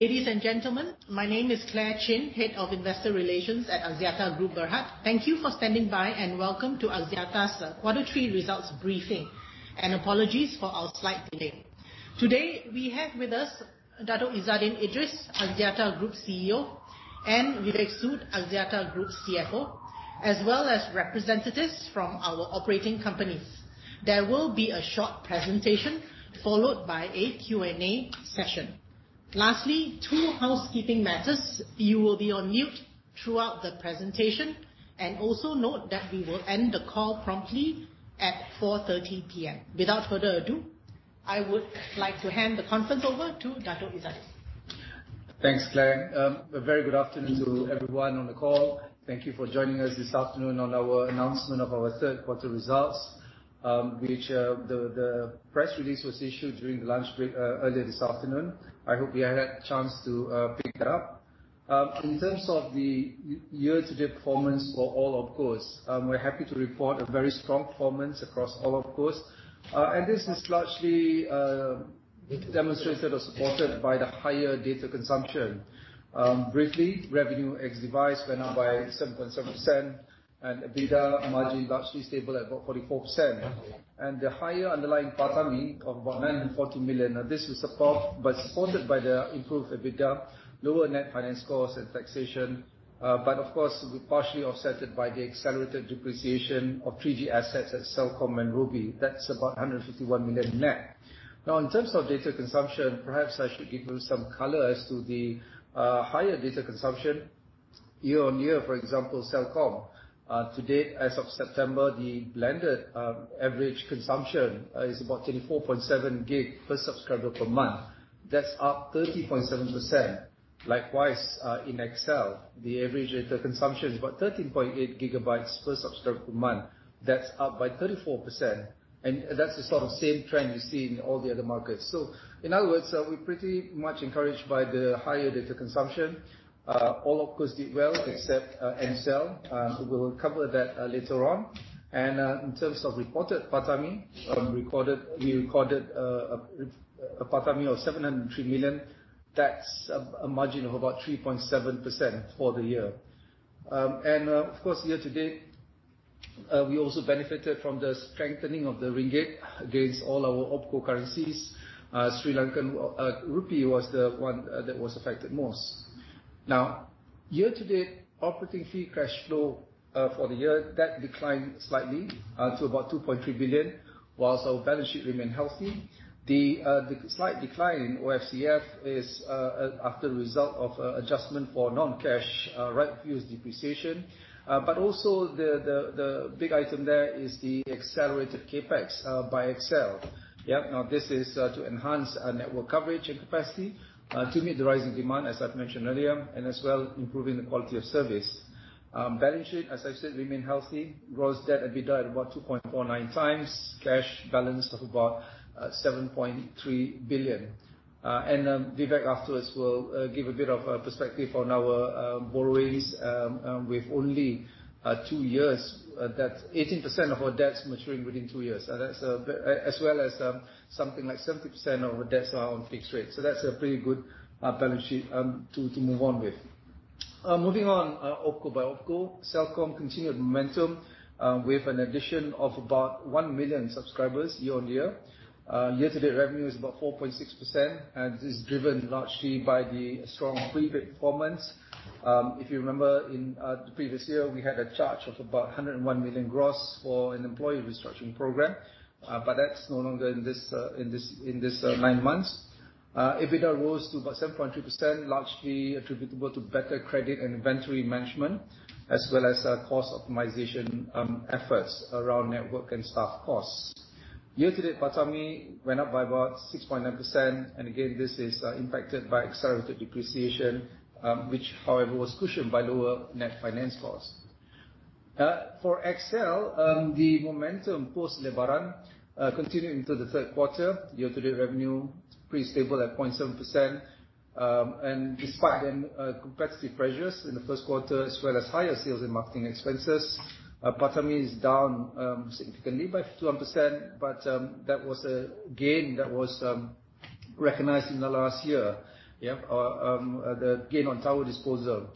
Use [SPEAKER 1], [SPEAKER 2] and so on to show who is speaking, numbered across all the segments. [SPEAKER 1] Ladies and gentlemen, my name is Clare Chin, Head of Investor Relations at Axiata Group Berhad. Thank you for standing by, and welcome to Axiata's quarter three results briefing. Apologies for our slight delay. Today we have with us Dato' Izzaddin Idris, Axiata Group CEO, and Vivek Sood, Axiata Group CFO, as well as representatives from our operating companies. There will be a short presentation followed by a Q&A session. Lastly, two housekeeping matters. You will be on mute throughout the presentation. Also note that we will end the call promptly at 4:30 P.M. Without further ado, I would like to hand the conference over to Dato' Izzaddin Idris.
[SPEAKER 2] Thanks, Clare. A very good afternoon to everyone on the call. Thank you for joining us this afternoon on our announcement of our third quarter results, which the press release was issued during the lunch break earlier this afternoon. I hope you had a chance to pick it up. In terms of the year-to-date performance for all OpCos, we're happy to report a very strong performance across all OpCos. This is largely demonstrated or supported by the higher data consumption. Briefly, revenue ex-device went up by 7.7%, and EBITDA margin largely stable at about 44%. The higher underlying PATAMI of about 940 million. Now, this is supported by the improved EBITDA, lower net finance costs and taxation, but of course, partially offset it by the accelerated depreciation of 3G assets at Celcom and Robi. That's about 151 million net. Now, in terms of data consumption, perhaps I should give you some color as to the higher data consumption year-on-year. For example, Celcom, to date, as of September, the blended average consumption is about 24.7 gig per subscriber per month. That's up 30.7%. Likewise, in XL, the average data consumption is about 13.8 gigabytes per subscriber per month. That's up by 34%. That's the sort of same trend you see in all the other markets. In other words, we're pretty much encouraged by the higher data consumption. All OpCos did well except Ncell, but we'll cover that later on. In terms of reported PATAMI, we recorded a PATAMI of 703 million. That's a margin of about 3.7% for the year. Of course, year-to-date, we also benefited from the strengthening of the ringgit against all our OpCo currencies. Sri Lankan rupee was the one that was affected most. Now, year-to-date operating free cash flow for the year, that declined slightly to about 2.3 billion, while our balance sheet remained healthy. The slight decline in OFCF is as a result of adjustment for non-cash right-of-use depreciation. Also, the big item there is the accelerated CapEx by XL Axiata. Now, this is to enhance our network coverage and capacity to meet the rising demand, as I've mentioned earlier, and as well improving the quality of service. Balance sheet, as I said, remain healthy. Gross debt to EBITDA of about 2.49x. Cash balance of about 7.3 billion. Vivek afterwards will give a bit of a perspective on our borrowings with only two years, that's 18% of our debts maturing within two years. That's as well as something like 70% of our debts are on fixed rate. That's a pretty good balance sheet to move on with. Moving on, OpCo by OpCo. Celcom continued momentum with an addition of about 1 million subscribers year-on-year. Year-to-date revenue is about 4.6%, and this is driven largely by the strong prepaid performance. If you remember, in the previous year, we had a charge of about 101 million gross for an employee restructuring program, but that's no longer in this nine months. EBITDA rose to about 7.2%, largely attributable to better credit and inventory management, as well as cost optimization efforts around network and staff costs. Year-to-date, PATAMI went up by about 6.9%. Again, this is impacted by accelerated depreciation, which however was cushioned by lower net finance costs. For XL Axiata, the momentum post-Lebaran continued into the third quarter. Year-to-date revenue pretty stable at 0.7%, and despite that, competitive pressures in the first quarter, as well as higher sales and marketing expenses, PATAMI is down significantly by 51%. That was a gain that was recognized in the last year. The gain on tower disposal,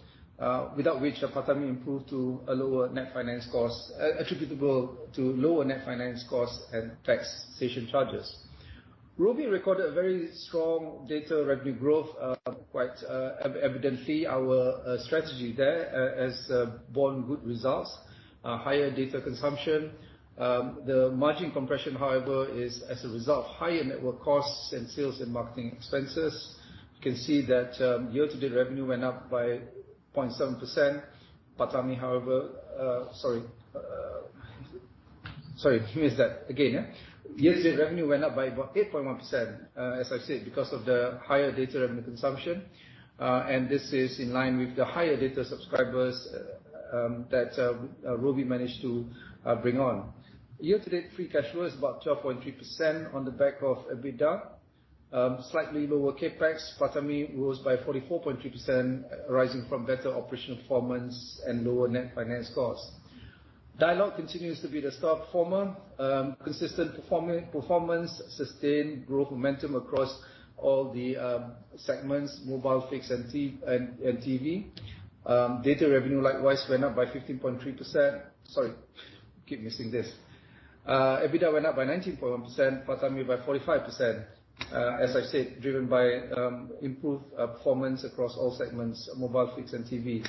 [SPEAKER 2] without which our PATAMI improved due to lower net finance costs and taxation charges. Robi recorded a very strong data revenue growth. Quite evidently our strategy there has borne good results, higher data consumption. The margin compression, however, is as a result of higher network costs and sales and marketing expenses. You can see that year-to-date revenue went up by 0.7%. PATAMI, however, Year-to-date revenue went up by about 8.1%, as I've said, because of the higher data revenue consumption. This is in line with the higher data subscribers that Robi managed to bring on. Year-to-date free cash flow is about 12.3% on the back of EBITDA. Slightly lower CapEx. PATAMI rose by 44.3%, arising from better operational performance and lower net finance costs. Dialog continues to be the star performer, consistent performance, sustained growth momentum across all the segments, mobile, fixed and TV. Data revenue likewise went up by 15.3%. Sorry, keep missing this. EBITDA went up by 19.1%, PATAMI by 45%. As I said, driven by improved performance across all segments, mobile, fixed and TV.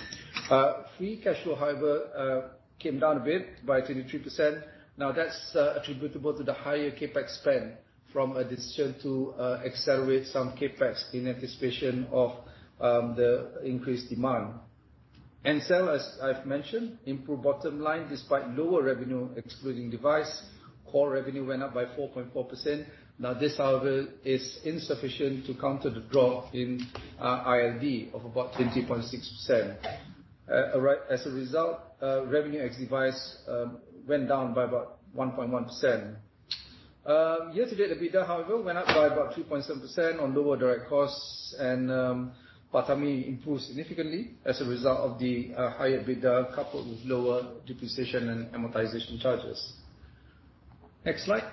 [SPEAKER 2] Free cash flow, however, came down a bit by 23%. That's attributable to the higher CapEx spend from a decision to accelerate some CapEx in anticipation of the increased demand. As I've mentioned, we have an improved bottom line despite lower revenue excluding device. Core revenue went up by 4.4%. Now this, however, is insufficient to counter the drop in ILD of about 20.6%. Right, as a result, revenue ex device went down by about 1.1%. Year-to-date EBITDA, however, went up by about 2.7% on lower direct costs. PATAMI improved significantly as a result of the higher EBITDA coupled with lower depreciation and amortization charges. Next slide.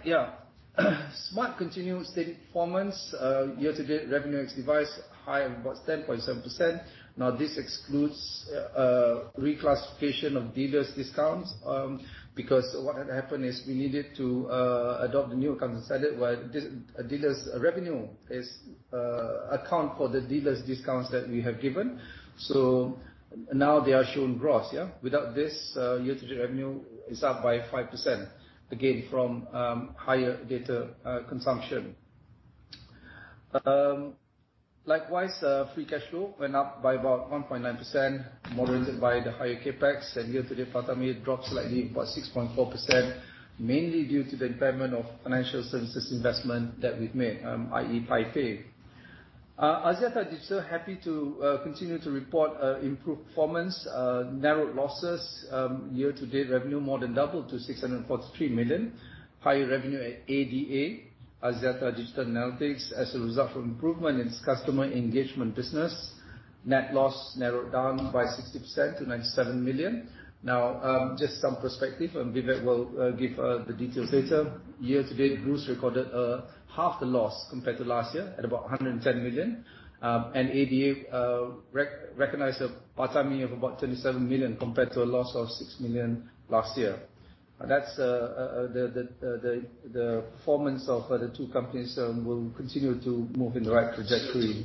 [SPEAKER 2] Smart continued steady performance. Year-to-date revenue ex device grew by about 10.7%. Now this excludes reclassification of dealers' discounts. Because what had happened is we needed to adopt the new accounting standard a dealer's revenue is accounted for the dealers' discounts that we have given. Now they are shown gross, yeah. Without this, year-to-date revenue is up by 5%, again, from higher data consumption. Likewise, free cash flow went up by about 1.9%, moderated by the higher CapEx. Year-to-date, PATAMI dropped slightly about 6.4%, mainly due to the impairment of financial services investment that we've made, i.e. PayFazz. Axiata Digital is happy to continue to report improved performance, narrowed losses. Year-to-date revenue more than doubled to 643 million. Higher revenue at ADA, Axiata Digital Advertising as a result of improvement in its customer engagement business. Net loss narrowed down by 60% to 97 million. Now, just some perspective and Vivek will give the details later. Year-to-date, Boost recorded half the loss compared to last year at about 110 million. ADA recognized a PATAMI of about 27 million compared to a loss of 6 million last year. That's the performance of the two companies. We'll continue to move in the right trajectory.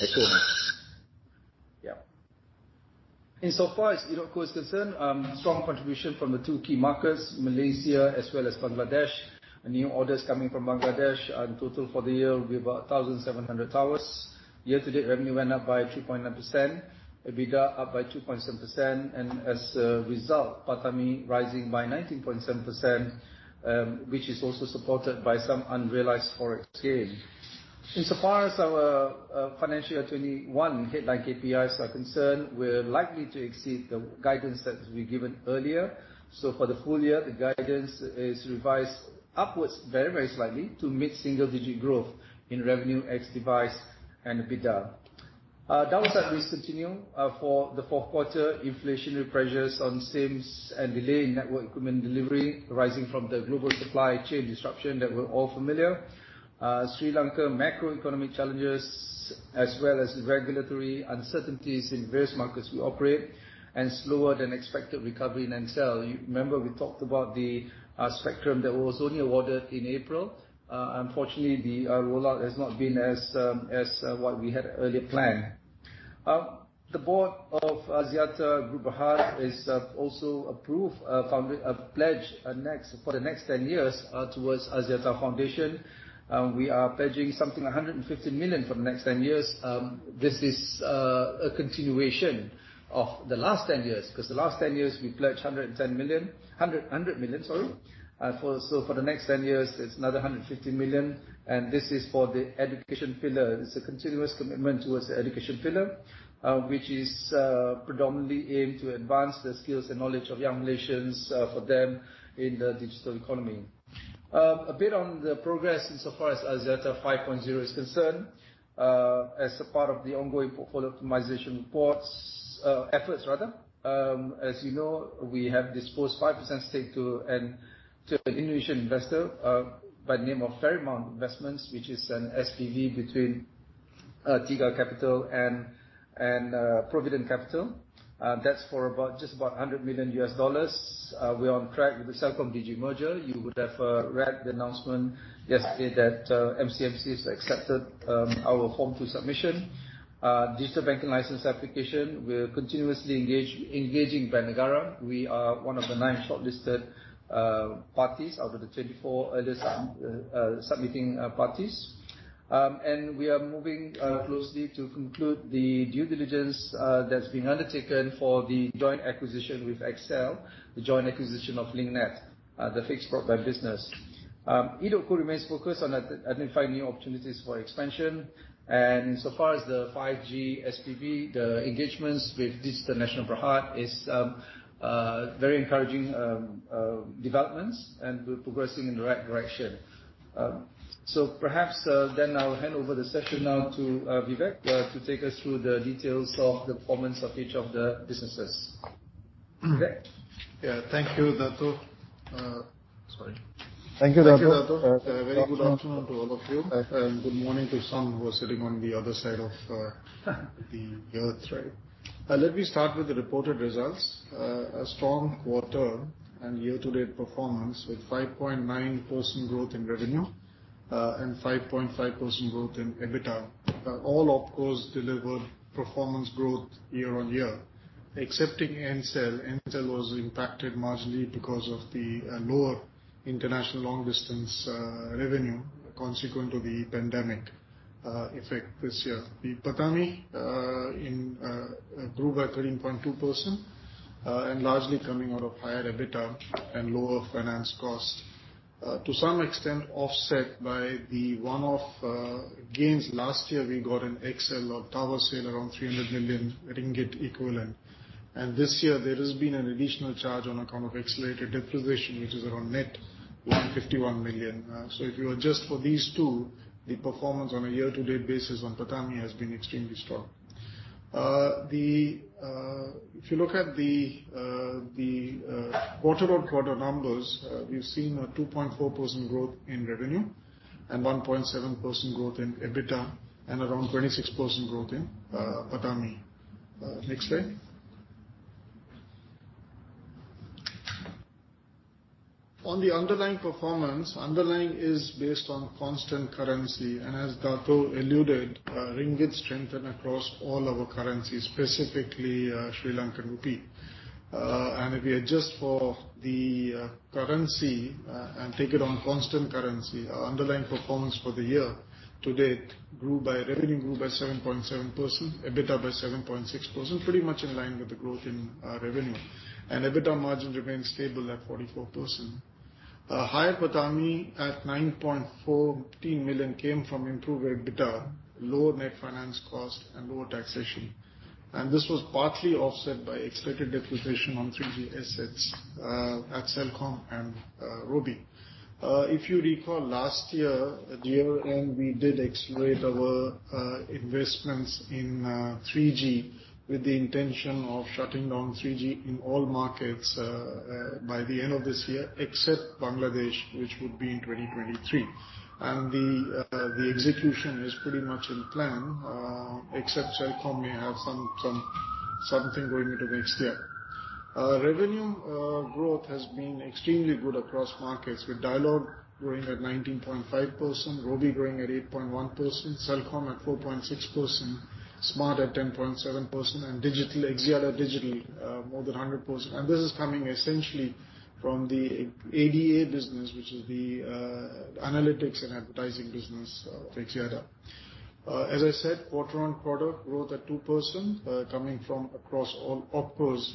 [SPEAKER 2] Next one. As far as edotco is concerned, strong contribution from the two key markets, Malaysia as well as Bangladesh. New orders coming from Bangladesh in total for the year will be about 1,700 towers. Year-to-date revenue went up by 3.9%, EBITDA up by 2.7%, and as a result, PATAMI rising by 19.7%, which is also supported by some unrealized Forex gain. In so far as our FY 2021 headline KPIs are concerned, we're likely to exceed the guidance that we've given earlier. For the full year, the guidance is revised upwards very, very slightly to mid-single-digit growth in revenue, ex device and EBITDA. Downside risks continue for the fourth quarter. Inflationary pressures on SIMs and delay in network equipment delivery arising from the global supply chain disruption that we're all familiar. Sri Lanka macroeconomic challenges as well as regulatory uncertainties in various markets we operate, and slower than expected recovery in Smart. You remember we talked about the spectrum that was only awarded in April. Unfortunately, the rollout has not been as what we had earlier planned. The board of Axiata Group Berhad has also approved a pledge for the next ten years towards Axiata Foundation. We are pledging something, 150 million for the next ten years. This is a continuation of the last ten years, 'cause the last ten years we pledged 100 million, sorry. So for the next ten years, it's another 150 million. This is for the education pillar. It's a continuous commitment towards the education pillar, which is predominantly aimed to advance the skills and knowledge of young Malaysians for them in the digital economy. A bit on the progress so far as Axiata 5.0 is concerned. As a part of the ongoing portfolio optimization efforts rather, as you know, we have disposed 5% stake to an Indonesian investor by the name of Ferrymount Investments, which is an SPV between Tiga Investments and Provident Capital Partners. That's for about just about $100 million. We are on track with the Celcom Digi merger. You would have read the announcement yesterday that MCMC has accepted our Form two submission. Digital banking license application, we're continuously engaging Bank Negara. We are one of the nine shortlisted parties out of the 24 earliest submitting parties. We are moving closely to conclude the due diligence that's been undertaken for the joint acquisition with XL of Link Net, the fixed broadband business. edotco remains focused on identifying new opportunities for expansion. As far as the 5G SPV, the engagements with Digital Nasional Berhad is very encouraging developments, and we're progressing in the right direction. Perhaps I'll hand over the session now to Vivek to take us through the details of the performance of each of the businesses. Vivek?
[SPEAKER 3] Yeah. Thank you, Dato'. Sorry. Thank you, Dato'. A very good afternoon to all of you. Good morning to some who are sitting on the other side of the earth.
[SPEAKER 2] Right.
[SPEAKER 3] Let me start with the reported results. A strong quarter and year-to-date performance with 5.9% growth in revenue, and 5.5% growth in EBITDA. All OpCos delivered performance growth year-on-year, excepting Ncell. Ncell was impacted marginally because of the lower ILD revenue consequent to the pandemic effect this year. The PATAMI grew by 13.2%, largely coming out of higher EBITDA and lower finance costs, to some extent offset by the one-off gains. Last year, we got an XL tower sale around 300 million ringgit. This year there has been an additional charge on account of accelerated depreciation, which is around net 151 million. If you adjust for these two, the performance on a year-to-date basis on PATAMI has been extremely strong. If you look at the quarter-on-quarter numbers, we've seen a 2.4% growth in revenue and 1.7% growth in EBITDA and around 26% growth in PATAMI. Next slide. On the underlying performance, underlying is based on constant currency. As Dato' alluded, ringgit strengthened across all our currencies, specifically Sri Lankan rupee. If you adjust for the currency and take it on constant currency, our underlying performance for the year-to-date grew by. Revenue grew by 7.7%, EBITDA by 7.6%, pretty much in line with the growth in revenue. EBITDA margin remains stable at 44%. A higher PATAMI at 9.14 million came from improved EBITDA, lower net finance cost and lower taxation. This was partly offset by accelerated depreciation on 3G assets at Celcom and Robi. If you recall, last year, at year-end, we did accelerate our investments in 3G with the intention of shutting down 3G in all markets by the end of this year, except Bangladesh, which would be in 2023. The execution is pretty much in plan, except Celcom may have something going into next year. Revenue growth has been extremely good across markets, with Dialog growing at 19.5%, Robi growing at 8.1%, Celcom at 4.6%, Smart at 10.7%, and Axiata Digital more than 100%. This is coming essentially from the ADA business, which is the analytics and advertising business of Axiata. As I said, quarter-on-quarter growth at 2%, coming from across all opcos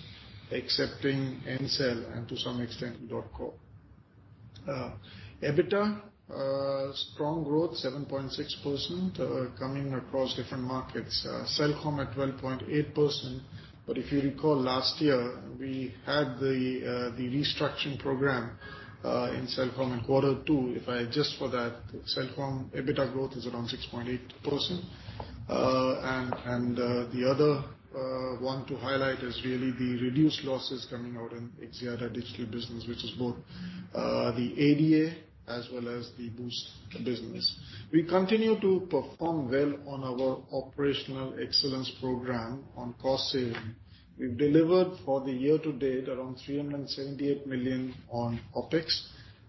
[SPEAKER 3] excepting Ncell and to some extent EDOTCO. EBITDA strong growth, 7.6%, coming across different markets. Celcom at 12.8%, but if you recall, last year we had the restructuring program in Celcom in quarter two. If I adjust for that, Celcom EBITDA growth is around 6.8%. The other one to highlight is really the reduced losses coming out in Axiata Digital Business, which is both the ADA as well as the Boost business. We continue to perform well on our operational excellence program on cost saving. We've delivered for the year to date around 378 million on OpEx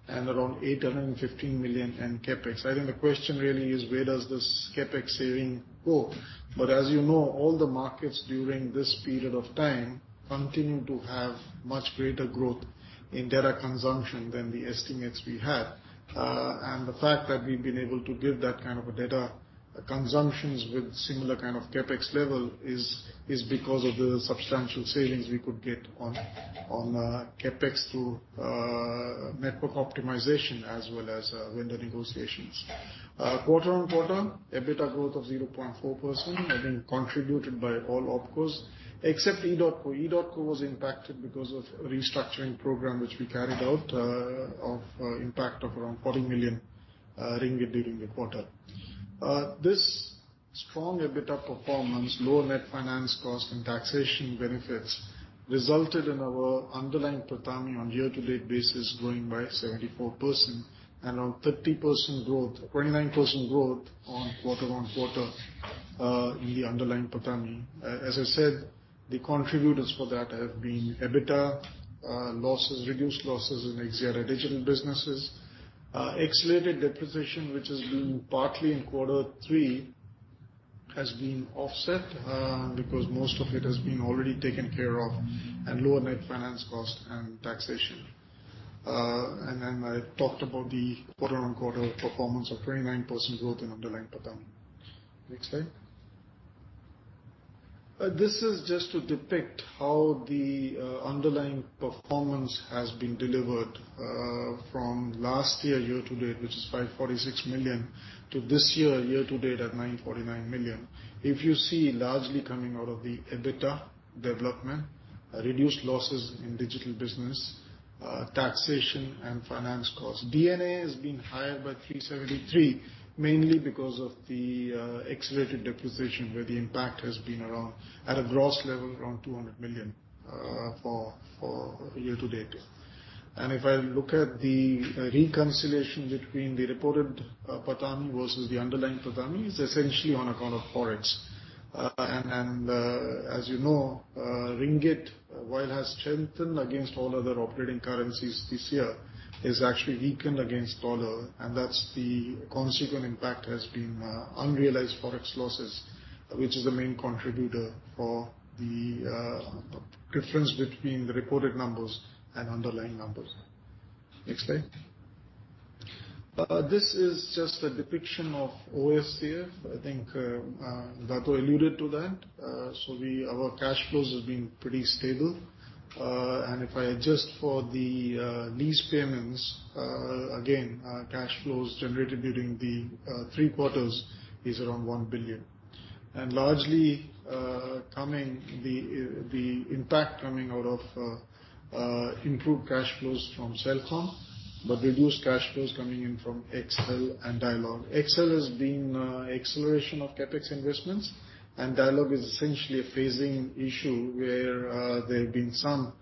[SPEAKER 3] and around 815 million in CapEx. I think the question really is where does this CapEx saving go? As you know, all the markets during this period of time continue to have much greater growth in data consumption than the estimates we had. The fact that we've been able to give that kind of a data consumption with similar kind of CapEx level is because of the substantial savings we could get on CapEx through network optimization as well as vendor negotiations. Quarter-on-quarter, EBITDA growth of 0.4% has been contributed by all OpCos except EDOTCO. EDOTCO was impacted because of restructuring program, which we carried out, of impact of around 40 million ringgit during the quarter. This strong EBITDA performance, lower net finance cost and taxation benefits resulted in our underlying PATAMI on year-to-date basis growing by 74% and around 30% growth, 29% growth on quarter-on-quarter, in the underlying PATAMI. As I said, the contributors for that have been EBITDA, reduced losses in Axiata Digital businesses. Accelerated depreciation, which has been partly in quarter three, has been offset because most of it has been already taken care of, and lower net finance cost and taxation. I talked about the quarter-on-quarter performance of 29% growth in underlying PATAMI. Next slide. This is just to depict how the underlying performance has been delivered from last year year-to-date, which is 546 million, to this year, year-to-date at 949 million. If you see, largely coming out of the EBITDA development, reduced losses in digital business, taxation and finance costs. D&A has been higher by 373, mainly because of the accelerated depreciation, where the impact has been around, at a gross level, around 200 million for year to date. If I look at the reconciliation between the reported PATAMI versus the underlying PATAMI, it's essentially on account of Forex. As you know, Ringgit, while it has strengthened against all other operating currencies this year, has actually weakened against dollar, and that's the consequent impact has been unrealized Forex losses, which is the main contributor for the difference between the reported numbers and underlying numbers. Next slide. This is just a depiction of OS here. I think Dato' alluded to that. Our cash flows have been pretty stable. If I adjust for the lease payments, again, our cash flows generated during the three quarters is around 1 billion. Largely, the impact coming out of improved cash flows from Celcom, but reduced cash flows coming in from XL Axiata and Dialog. XL Axiata has been acceleration of CapEx investments, and Dialog is essentially a phasing issue where there have been some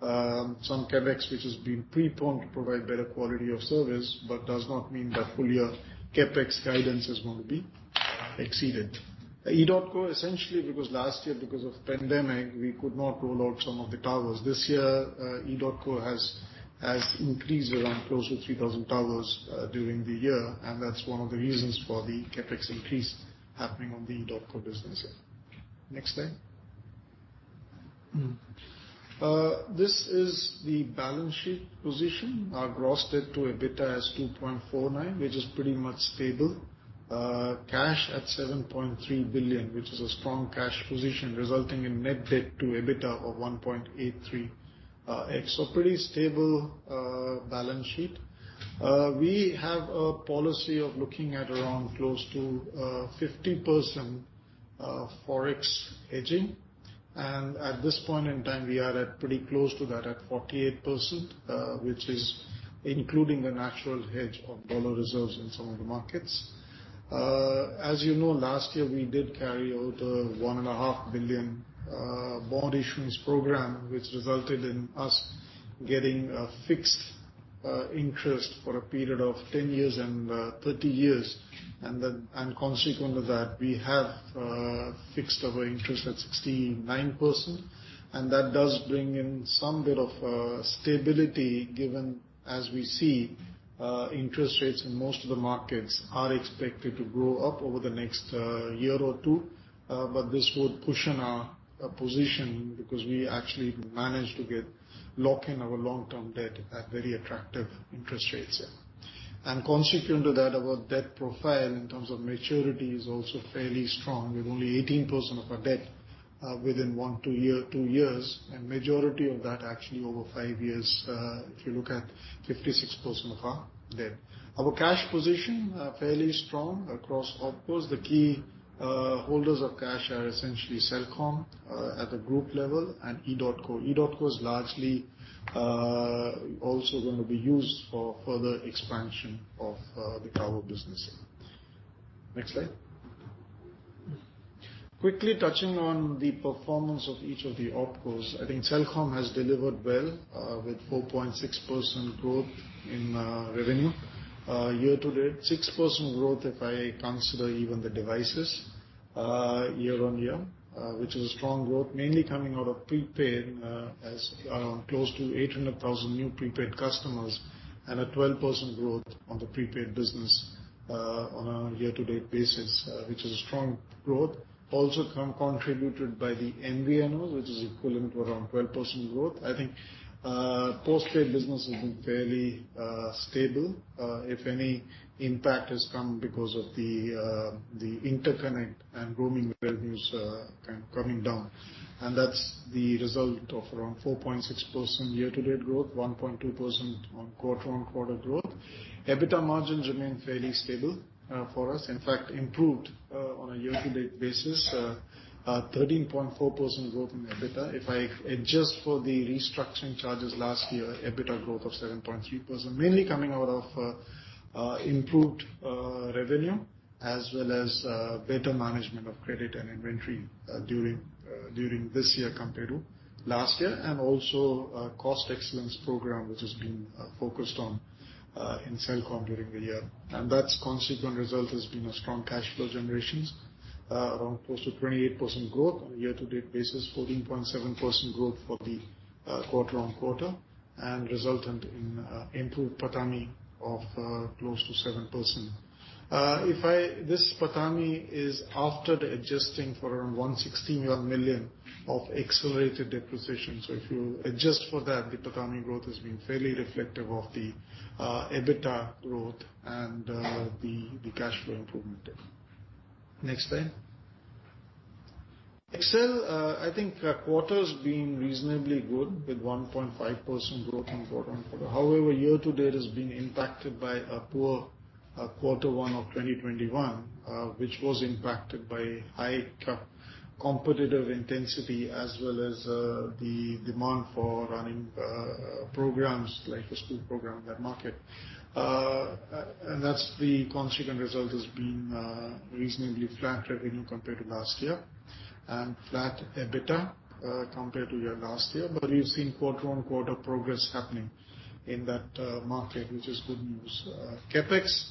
[SPEAKER 3] CapEx which has been preponed to provide better quality of service, but does not mean that full year CapEx guidance is going to be exceeded. EDOTCO, essentially because last year, because of pandemic, we could not roll out some of the towers. This year, EDOTCO has increased around close to 3,000 towers during the year, and that's one of the reasons for the CapEx increase happening on the EDOTCO business. Next slide. This is the balance sheet position. Our gross debt to EBITDA is 2.49, which is pretty much stable. Cash at 7.3 billion, which is a strong cash position resulting in net debt to EBITDA of 1.83x. Pretty stable balance sheet. We have a policy of looking at around close to 50% Forex hedging. At this point in time, we are at pretty close to that, at 48%, which is including the natural hedge of dollar reserves in some of the markets. As you know, last year, we did carry out a 1.5 billion bond issuance program, which resulted in us getting a fixed interest for a period of 10 years and 30 years. Consequent to that, we have fixed our interest at 69%. That does bring in some bit of stability given, as we see, interest rates in most of the markets are expected to go up over the next year or two. But this would cushion our position because we actually managed to get lock in our long-term debt at very attractive interest rates. Consequent to that, our debt profile in terms of maturity is also fairly strong. We have only 18% of our debt within one to two years, and majority of that actually over five years, if you look at 56% of our debt. Our cash position fairly strong across OpCos. The key holders of cash are essentially Celcom at the group level, and EDOTCO. EDOTCO is largely also gonna be used for further expansion of the tower business. Next slide. Quickly touching on the performance of each of the OpCos. I think Celcom has delivered well, with 4.6% growth in revenue year to date, 6% growth if I consider even the devices year-on-year, which is a strong growth, mainly coming out of prepaid, as around close to 800,000 new prepaid customers and a 12% growth on the prepaid business on a year to date basis, which is a strong growth. Also contributed by the MVNO, which is equivalent to around 12% growth. I think postpaid business has been fairly stable. If any impact has come because of the interconnect and roaming revenues kind of coming down. That's the result of around 4.6% year-to-date growth, 1.2% quarter-on-quarter growth. EBITDA margins remain fairly stable for us. In fact, improved on a year-to-date basis. A 13.4% growth in EBITDA. If I adjust for the restructuring charges last year, EBITDA growth of 7.3%, mainly coming out of improved revenue as well as better management of credit and inventory during this year compared to last year. Also a cost excellence program which has been focused on in Celcom during the year. That has resulted in a strong cash flow generation, around close to 28% growth on a year-to-date basis, 14.7% growth for the quarter-on-quarter, and resulting in improved PATAMI of close to 7%. This PATAMI is after adjusting for around 116 million of accelerated depreciation. If you adjust for that, the PATAMI growth has been fairly reflective of the EBITDA growth and the cash flow improvement there. Next slide. XL, I think our quarter's been reasonably good with 1.5% growth in quarter-on-quarter. However, year to date has been impacted by a poor quarter one of 2021, which was impacted by high competitive intensity as well as the demand for running programs like the school program in that market. And that's the consequent result has been reasonably flat revenue compared to last year and flat EBITDA compared to last year. We've seen quarter-on-quarter progress happening in that market, which is good news. CapEx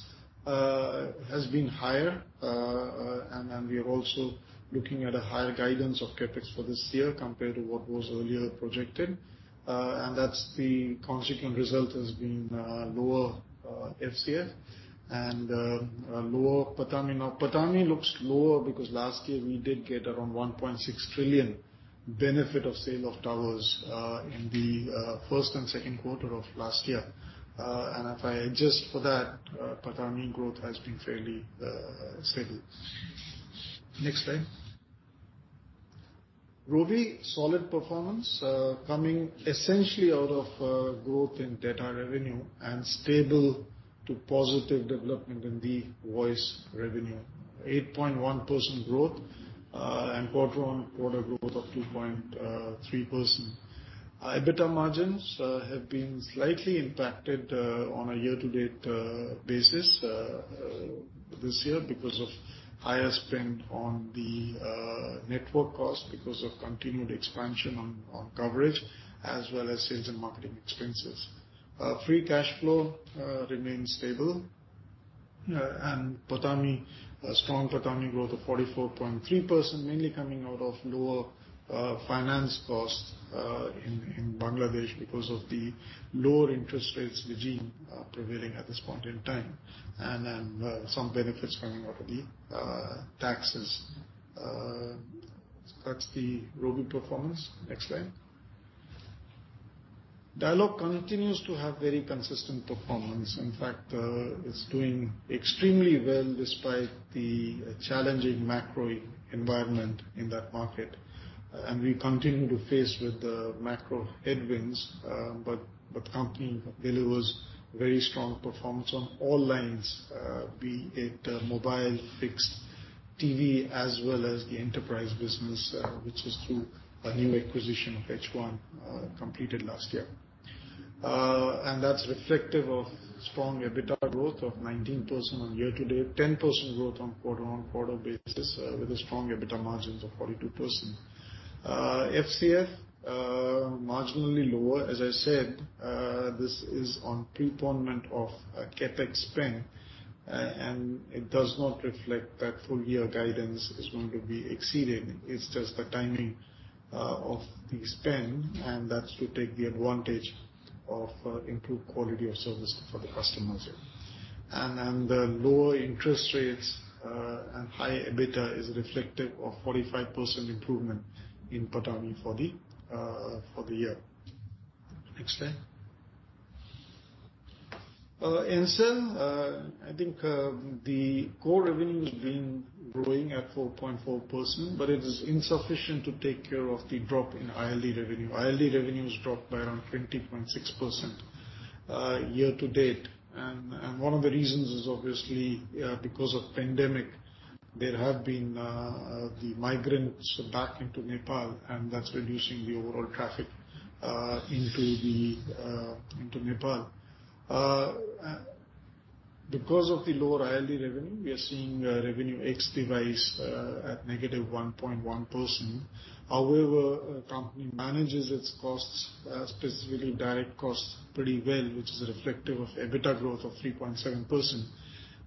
[SPEAKER 3] has been higher, and we are also looking at a higher guidance of CapEx for this year compared to what was earlier projected. And that's the consequent result has been lower FCF and a lower PATAMI. Now, PATAMI looks lower because last year we did get around 1.6 trillion benefit of sale of towers in the first and second quarter of last year. If I adjust for that, PATAMI growth has been fairly stable. Next slide. Robi, solid performance coming essentially out of growth in data revenue and stable to positive development in the voice revenue. 8.1% growth and quarter-on-quarter growth of 2.3%. EBITDA margins have been slightly impacted on a year-to-date basis this year because of higher spend on the network cost, because of continued expansion on coverage as well as sales and marketing expenses. Free cash flow remains stable. PATAMI, a strong PATAMI growth of 44.3% mainly coming out of lower finance costs in Bangladesh because of the lower interest rates regime prevailing at this point in time, and then some benefits coming out of the taxes. That's the Robi performance. Next slide. Dialog continues to have very consistent performance. In fact, it's doing extremely well despite the challenging macro environment in that market. We continue to face with the macro headwinds, but company delivers very strong performance on all lines, be it mobile, fixed, TV, as well as the enterprise business, which is through a new acquisition of H One, completed last year. That's reflective of strong EBITDA growth of 19% year-to-date, 10% growth on a quarter-on-quarter basis, with strong EBITDA margins of 42%. FCF marginally lower. As I said, this is on postponement of a CapEx spend, and it does not reflect that full-year guidance is going to be exceeded. It's just the timing of the spend, and that's to take advantage of improved quality of service for the customers there. The lower interest rates, and high EBITDA is reflective of 45% improvement in PATAMI for the year. Next slide. Ncell, I think, the core revenue has been growing at 4.4%, but it is insufficient to take care of the drop in ILD revenue. ILD revenues dropped by around 20.6% year-to-date. One of the reasons is obviously because of pandemic, there have been the migrants back into Nepal, and that's reducing the overall traffic into Nepal. Because of the lower ILD revenue, we are seeing revenue ex-device at -1.1%. However, company manages its costs specifically direct costs pretty well, which is reflective of EBITDA growth of 3.7%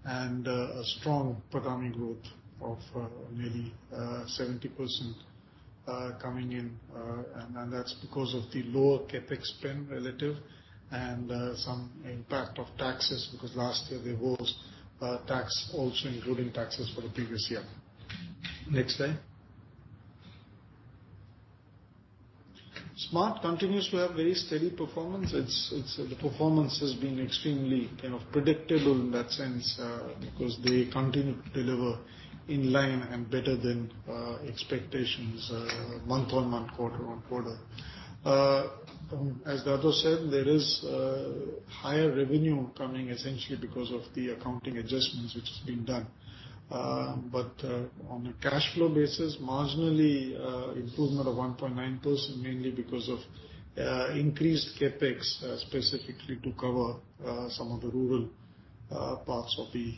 [SPEAKER 3] and a strong PATAMI growth of nearly 70% coming in, and that's because of the lower CapEx spend relative and some impact of taxes because last year there was tax also including taxes for the previous year. Next slide. Smart continues to have very steady performance. The performance has been extremely, kind of, predictable in that sense, because they continue to deliver in line and better than expectations, month-on-month, quarter-on-quarter. As Dato said, there is higher revenue coming essentially because of the accounting adjustments which has been done. But on a cash flow basis, marginally improvement of 1.9% mainly because of increased CapEx, specifically to cover some of the rural parts of the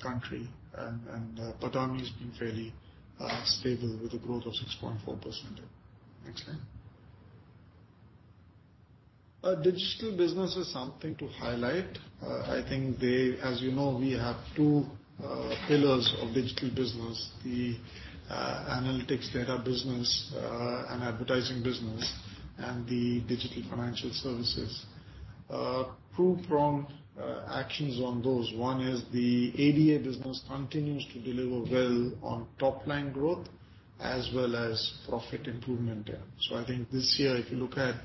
[SPEAKER 3] country. PATAMI has been fairly stable with a growth of 6.4%. Next slide. Digital business is something to highlight. As you know, we have two pillars of digital business: the analytics data business, and advertising business, and the digital financial services. Two prong actions on those. One is the ADA business continues to deliver well on top line growth as well as profit improvement. I think this year, if you look at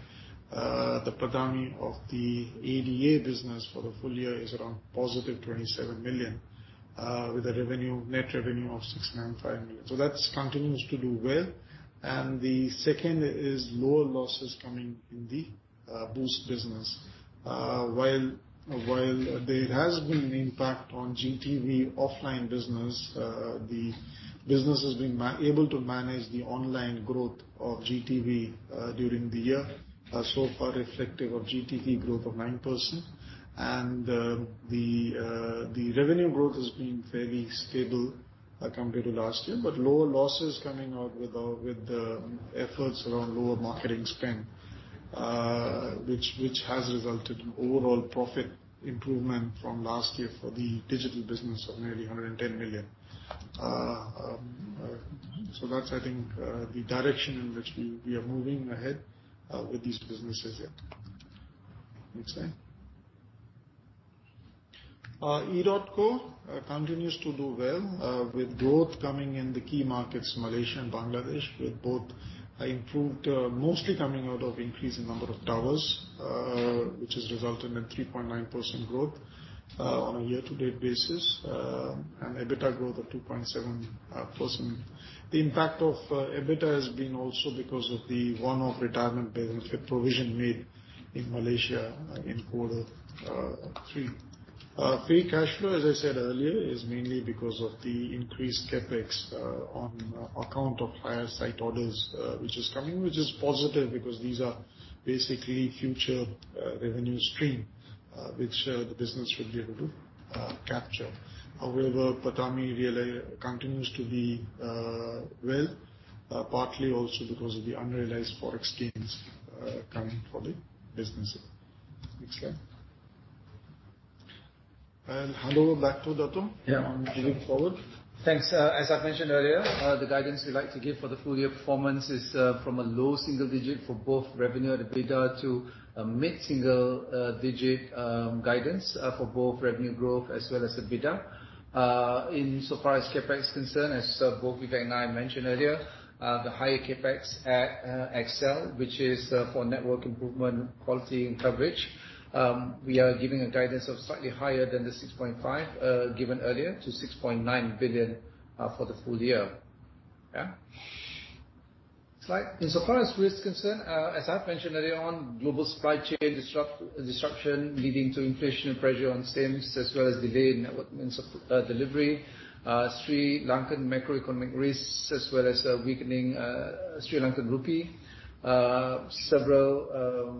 [SPEAKER 3] the PATAMI of the ADA business for the full year is around positive 27 million, with a revenue, net revenue of 650 million. That's continues to do well. The second is lower losses coming in the Boost business. While there has been an impact on GTV offline business, the business has been able to manage the online growth of GTV during the year so far reflective of GTV growth of 9%. The revenue growth has been fairly stable compared to last year. Lower losses coming out with the efforts around lower marketing spend, which has resulted in overall profit improvement from last year for the digital business of nearly 110 million. That's I think the direction in which we are moving ahead with these businesses, yeah. Next slide. EDOTCO continues to do well with growth coming in the key markets, Malaysia and Bangladesh, with both improved, mostly coming out of increase in number of towers, which has resulted in 3.9% growth on a year-to-date basis, and EBITDA growth of 2.7%. The impact of EBITDA has been also because of the one-off retirement benefit provision made in Malaysia in quarter three. Free cash flow, as I said earlier, is mainly because of the increased CapEx, on account of higher site orders, which is coming, which is positive because these are basically future revenue stream, which the business should be able to capture. However, PATAMI really continues to be, well, partly also because of the unrealized Forex gains, coming from the business. Next slide. Hand over back to Dato.
[SPEAKER 2] Yeah.
[SPEAKER 3] Moving forward.
[SPEAKER 2] Thanks. As I've mentioned earlier, the guidance we'd like to give for the full year performance is from a low single digit for both revenue and EBITDA to a mid-single digit guidance for both revenue growth as well as EBITDA. In so far as CapEx is concerned, as both Vivek and I mentioned earlier, the higher CapEx at XL, which is for network improvement, quality and coverage, we are giving a guidance of slightly higher than the 6.5 given earlier to 6.9 billion for the full year. Yeah. Slide. In so far as risks concerned, as I've mentioned earlier on, global supply chain disruption leading to inflation and pressure on SIMs as well as delayed network delivery. Sri Lankan macroeconomic risks, as well as a weakening Sri Lankan rupee. Several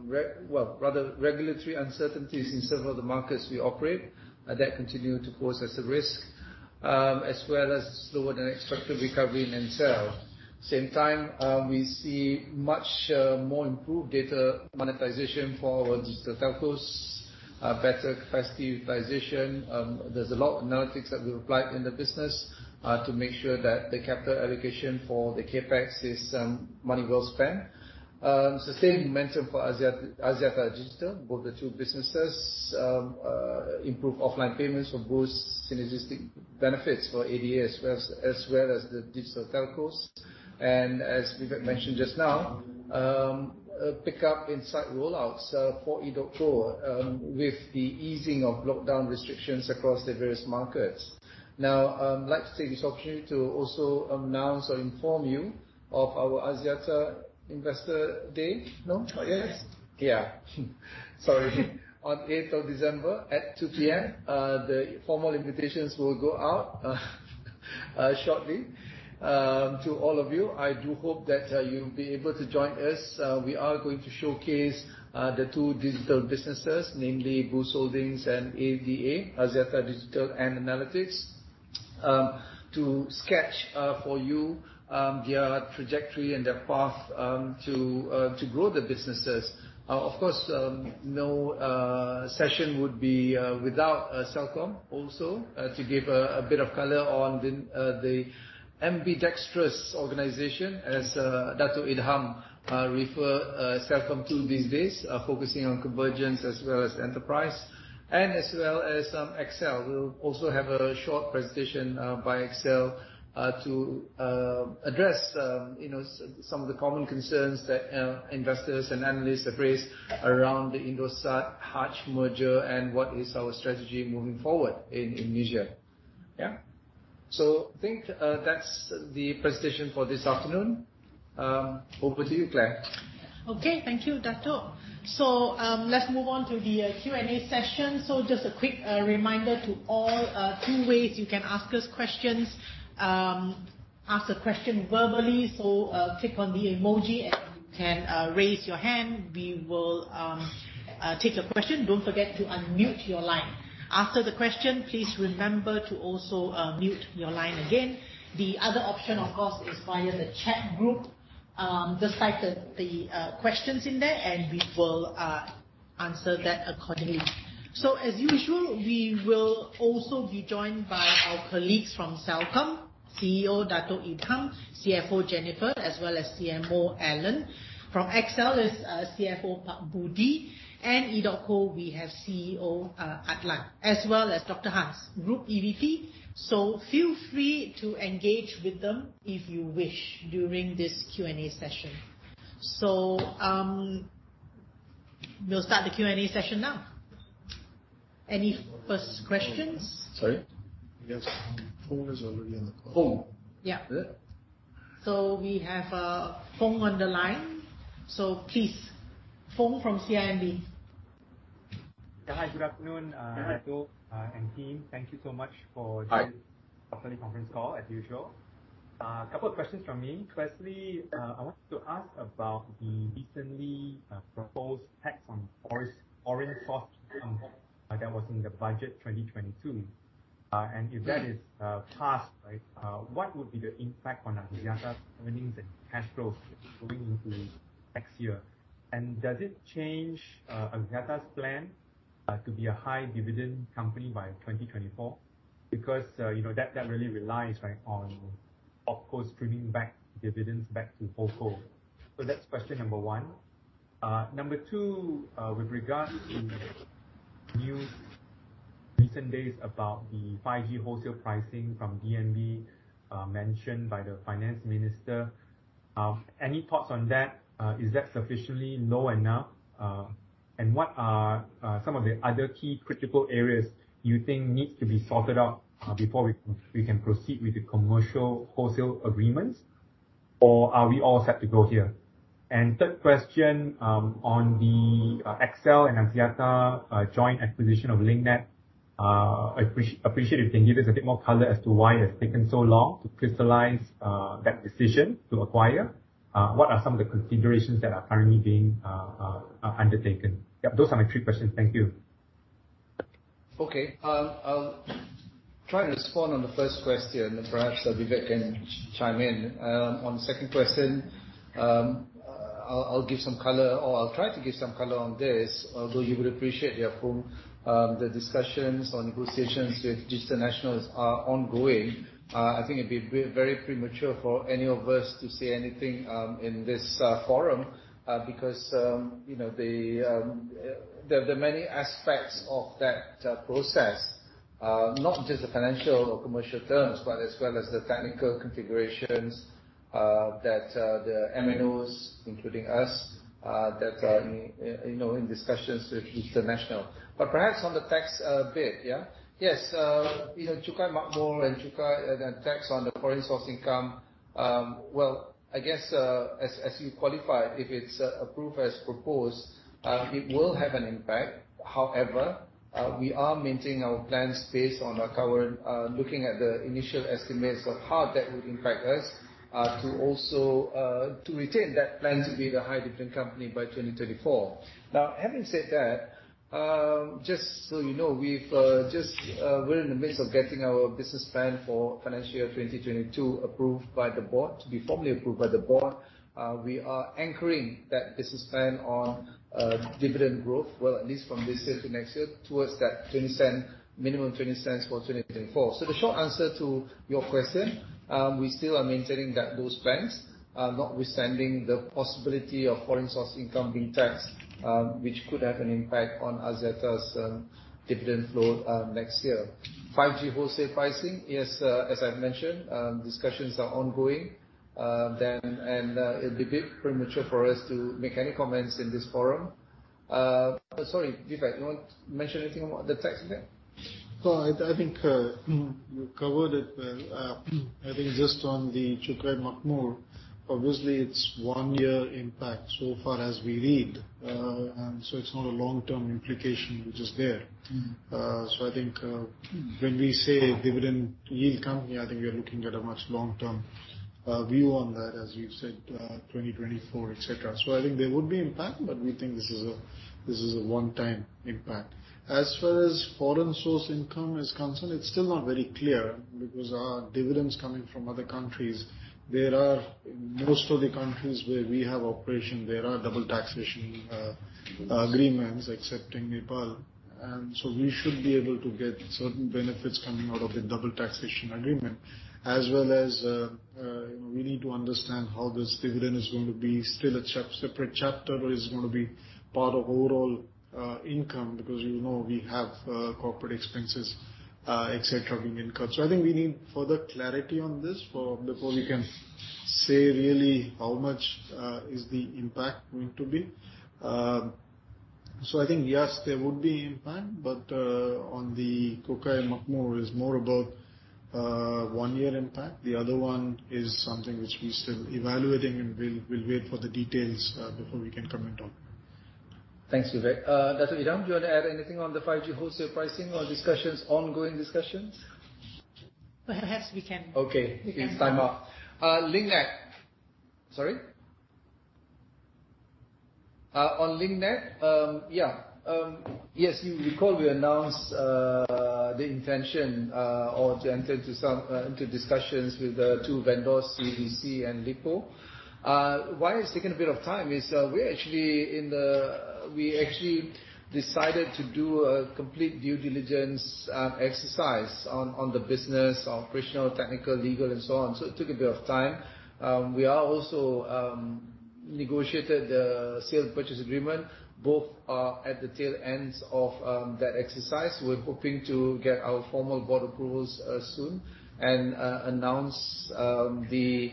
[SPEAKER 2] regulatory uncertainties in several of the markets we operate that continue to pose as a risk. As well as slower than expected recovery in Ncell. Same time, we see much more improved data monetization for our digital telcos, better capacity utilization. There's a lot of analytics that we've applied in the business to make sure that the capital allocation for the CapEx is money well spent. Sustained momentum for Axiata Digital, both the two businesses. Improved offline payments for Boost, synergistic benefits for ADA, as well as the digital telcos. As Vivek mentioned just now, a pickup in site rollouts for edotco, with the easing of lockdown restrictions across the various markets. Now, I'd like to take this opportunity to also announce or inform you of our Axiata Investor Day. No?
[SPEAKER 3] Yes.
[SPEAKER 2] Yeah. Sorry. On eighth of December at 2 P.M., the formal invitations will go out shortly to all of you. I do hope that you'll be able to join us. We are going to showcase the two digital businesses, namely Boost Holdings and ADA, Axiata Digital and Analytics, to sketch for you their trajectory and their path to grow the businesses. Of course, no session would be without Celcom also to give a bit of color on the ambidextrous organization as Dato' Idham refers to Celcom these days, focusing on convergence as well as enterprise. As well as XL. We'll also have a short presentation by XL to address you know some of the common concerns that investors and analysts have raised around the Indosat Hutchison merger and what is our strategy moving forward in Indonesia. Yeah. I think that's the presentation for this afternoon. Over to you, Clare.
[SPEAKER 1] Okay. Thank you, Dato'. Let's move on to the Q&A session. Just a quick reminder to all, two ways you can ask us questions. Ask the question verbally, so, click on the emoji and you can raise your hand. We will take your question. Don't forget to unmute your line. After the question, please remember to also mute your line again. The other option, of course, is via the chat group. Just type the questions in there, and we will answer that accordingly. As usual, we will also be joined by our colleagues from Celcom, CEO Dato' Idham, CFO Jennifer, as well as CMO Alan. From XL is CFO Pak Budi, and edotco, we have CEO Adlan, as well as Dr. Hans, Group EVP. Feel free to engage with them if you wish during this Q&A session. We'll start the Q&A session now. Any first questions?
[SPEAKER 3] Sorry. I guess Foong is already on the call.
[SPEAKER 1] Yeah. We have, Foong on the line. Please, Foong from CIMB.
[SPEAKER 4] Yeah. Hi, good afternoon.
[SPEAKER 2] Hi.
[SPEAKER 4] Dato' and team. Thank you so much for
[SPEAKER 3] Hi.
[SPEAKER 4] Doing this quarterly conference call, as usual. A couple of questions from me. Firstly, I wanted to ask about the recently proposed tax on foreign sourced income that was in the budget 2022. If that is passed, right, what would be the impact on Axiata's earnings and cash flow going into next year? Does it change Axiata's plan to be a high dividend company by 2024? Because, you know, that really relies, right, on OpCo streaming back dividends back to MalCo. That's question number one. Number two, with regards to news recent days about the 5G wholesale pricing from DNB, mentioned by the finance minister, any thoughts on that? Is that sufficiently low enough? What are some of the other key critical areas you think need to be sorted out before we can proceed with the commercial wholesale agreements? Or are we all set to go here? Third question, on the XL and Axiata joint acquisition of Link Net, appreciate if you can give us a bit more color as to why it has taken so long to crystallize that decision to acquire. What are some of the considerations that are currently being undertaken? Yeah. Those are my three questions. Thank you.
[SPEAKER 2] Okay. I'll try to respond on the first question. Perhaps Vivek can chime in. On the second question, I'll give some color, or I'll try to give some color on this. Although you would appreciate, yeah, Foong, the discussions or negotiations with Digital Nasional are ongoing. I think it'd be very premature for any of us to say anything in this forum because you know the many aspects of that process, not just the financial or commercial terms, but as well as the technical configurations that the MNOs, including us, that are in you know in discussions with Digital Nasional. Perhaps on the tax bit, yeah? Yes. You know, Cukai Makmur and Cukai, the tax on the foreign-sourced income, well, I guess, as you qualify, if it's approved as proposed, it will have an impact. However, we are maintaining our plans based on our current looking at the initial estimates of how that would impact us to retain that plan to be the high dividend company by 2024. Now, having said that, just so you know, we're in the midst of getting our business plan for financial year 2022 approved by the board to be formally approved by the board. We are anchoring that business plan on dividend growth, well, at least from this year to next year, towards that 0.20, minimum 0.20 for 2024. The short answer to your question, we still are maintaining that those plans, notwithstanding the possibility of foreign sourced income being taxed, which could have an impact on Axiata's dividend flow next year. 5G wholesale pricing, yes, as I've mentioned, discussions are ongoing. It'd be a bit premature for us to make any comments in this forum. Sorry, Vivek, you want to mention anything about the tax there?
[SPEAKER 3] Well, I think you covered it well. I think just on the Cukai Makmur, obviously it's one year impact so far as we read. It's not a long-term implication which is there.
[SPEAKER 2] Mm-hmm.
[SPEAKER 3] I think when we say dividend yield company, I think we are looking at a much longer-term view on that, as you've said, 2024, et cetera. I think there would be impact, but we think this is a one-time impact. As far as foreign sourced income is concerned, it's still not very clear because our dividends coming from other countries, there are most of the countries where we have operations, there are double taxation agreements except Nepal. We should be able to get certain benefits coming out of the double taxation agreement. As well as, you know, we need to understand how this dividend is going to be still a separate chapter or is it gonna be part of overall income because you know we have corporate expenses, et cetera, being incurred. I think we need further clarity on this before we can say really how much is the impact going to be. I think yes there would be impact, but on the Cukai Makmur is more about one year impact. The other one is something which we're still evaluating and we'll wait for the details before we can comment on.
[SPEAKER 2] Thanks, Vivek. Dato' Idham, do you want to add anything on the 5G wholesale pricing or discussions, ongoing discussions?
[SPEAKER 1] Perhaps we can-
[SPEAKER 2] Okay.
[SPEAKER 1] We can move on.
[SPEAKER 2] On Link Net, yes, you recall we announced the intention to enter into discussions with the two vendors, CDC and Lippo. Why it's taken a bit of time is, we actually decided to do a complete due diligence exercise on the business, operational, technical, legal and so on. So it took a bit of time. We are also negotiating the sale purchase agreement. Both are at the tail ends of that exercise. We're hoping to get our formal board approvals soon and announce the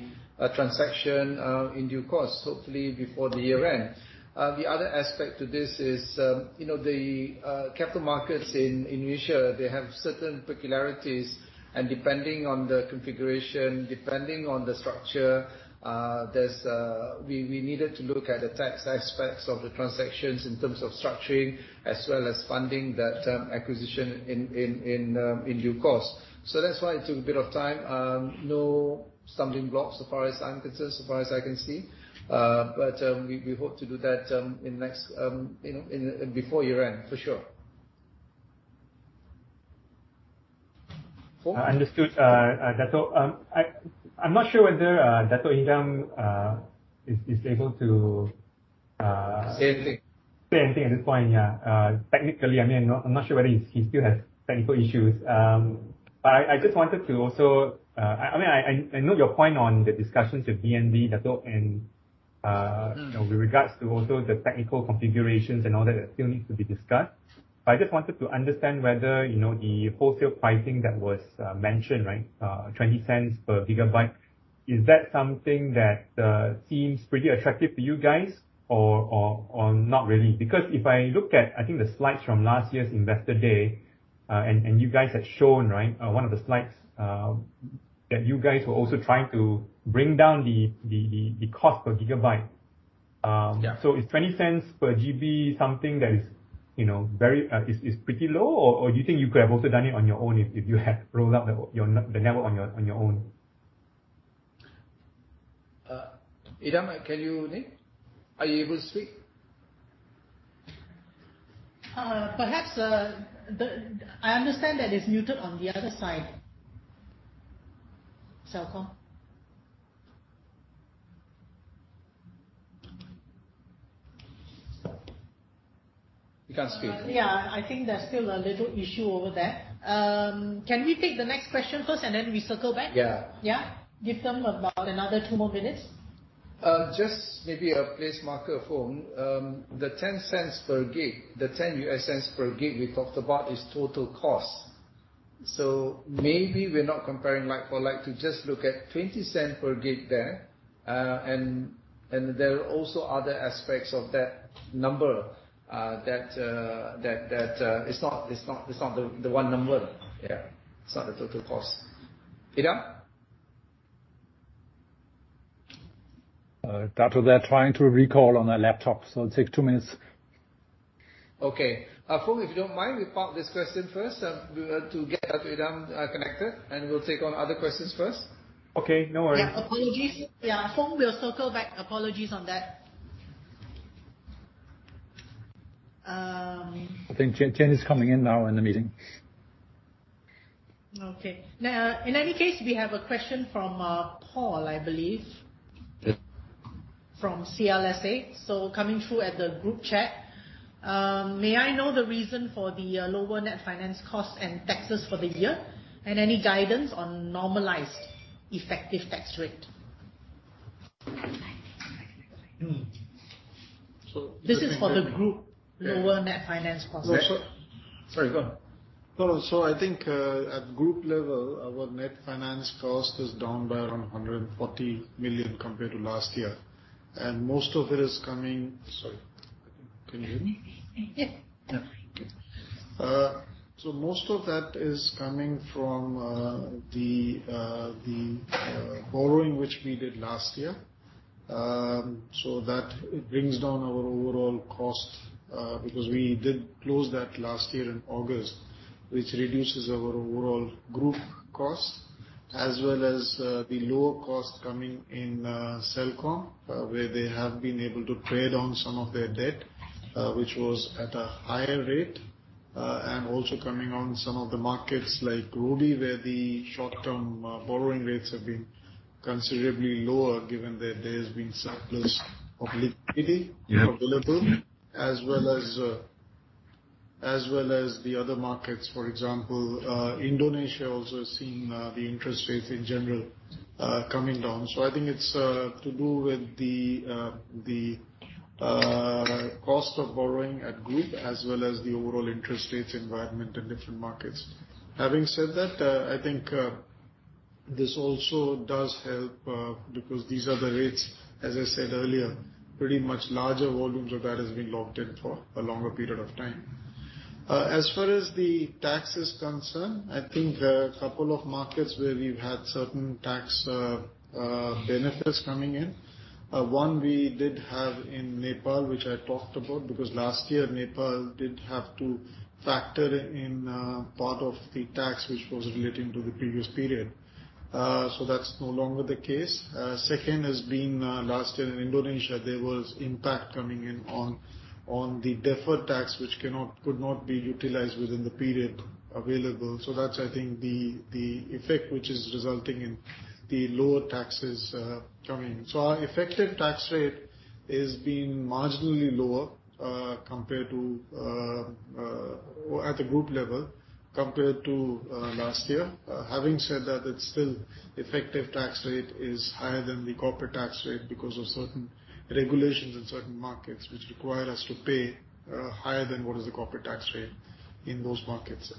[SPEAKER 2] transaction in due course, hopefully before the year end. The other aspect to this is, you know, the capital markets in Asia, they have certain peculiarities, and depending on the configuration, depending on the structure, there's. We needed to look at the tax aspects of the transactions in terms of structuring as well as funding that acquisition in due course. That's why it took a bit of time. No stumbling blocks so far as I'm concerned, so far as I can see. We hope to do that in the next, you know, before year end, for sure.
[SPEAKER 4] Understood, Dato'. I'm not sure whether Dato' Idham is able to.
[SPEAKER 2] Say anything.
[SPEAKER 4] Say anything at this point. Yeah. Technically, I mean, I'm not sure whether he still has technical issues. But I just wanted to also. I mean, I know your point on the discussions with DNB, Dato, and you know, with regards to also the technical configurations and all that still needs to be discussed. But I just wanted to understand whether, you know, the wholesale pricing that was mentioned, right, 20 cents per GB, is that something that seems pretty attractive to you guys or not really? Because if I look at, I think the slides from last year's Investor Day, and you guys had shown, right, one of the slides, that you guys were also trying to bring down the cost per GB.
[SPEAKER 2] Yeah.
[SPEAKER 4] Is 20 cents per GB something that is, you know, very is pretty low or you think you could have also done it on your own if you had rolled out the network on your own?
[SPEAKER 2] Idham, can you hear me? Are you able to speak?
[SPEAKER 1] Perhaps I understand that it's muted on the other side. Celcom.
[SPEAKER 2] He can't speak.
[SPEAKER 1] Yeah. I think there's still a little issue over there. Can we take the next question first, and then we circle back?
[SPEAKER 4] Yeah.
[SPEAKER 1] Yeah. Give them about another two more minutes.
[SPEAKER 2] Just maybe a place marker, Foong. The $0.10 per gig, the $0.10 per gig we talked about is total cost. Maybe we're not comparing like for like to just look at $0.20 per gig there. There are also other aspects of that number, that it's not the one number. Yeah. It's not the total cost. Idham?
[SPEAKER 3] Dato, they're trying to recall on their laptop, so it takes two minutes.
[SPEAKER 2] Okay. Foong, if you don't mind, we park this question first. We have to get Idham connected, and we'll take on other questions first.
[SPEAKER 4] Okay, no worries.
[SPEAKER 1] Yeah, apologies. Yeah, Foong, we'll circle back. Apologies on that.
[SPEAKER 3] I think Chen is coming in now in the meeting.
[SPEAKER 1] Okay. Now, in any case, we have a question from Paul, I believe.
[SPEAKER 2] Yes.
[SPEAKER 1] From CLSA. Coming through at the group chat. May I know the reason for the lower net finance costs and taxes for the year and any guidance on normalized effective tax rate?
[SPEAKER 2] Mm. So-
[SPEAKER 1] This is for the group lower net finance costs.
[SPEAKER 2] Sorry, go on.
[SPEAKER 3] No, I think at group level, our net finance cost is down by around 140 million compared to last year. Most of it is coming. Sorry. Can you hear me?
[SPEAKER 1] Yeah. No worry.
[SPEAKER 3] Most of that is coming from the borrowing which we did last year. That brings down our overall cost because we did close that last year in August, which reduces our overall group cost, as well as the lower cost coming in Celcom where they have been able to trade on some of their debt which was at a higher rate. Also coming on some of the markets like Robi where the short-term borrowing rates have been considerably lower given that there has been surplus of liquidity available, as well as the other markets, for example, Indonesia also seeing the interest rates in general coming down. I think it's to do with the cost of borrowing at group as well as the overall interest rates environment in different markets. Having said that, I think this also does help because these are the rates, as I said earlier, pretty much larger volumes of that has been locked in for a longer period of time. As far as the tax is concerned, I think there are a couple of markets where we've had certain tax benefits coming in. One we did have in Nepal, which I talked about, because last year Nepal did have to factor in part of the tax which was relating to the previous period. That's no longer the case. Second has been last year in Indonesia, there was impact coming in on the deferred tax, which could not be utilized within the period available. That's I think the effect which is resulting in the lower taxes coming. Our effective tax rate is being marginally lower compared to at the group level, compared to last year. Having said that, it's still- Effective tax rate is higher than the corporate tax rate because of certain regulations in certain markets which require us to pay higher than what is the corporate tax rate in those markets.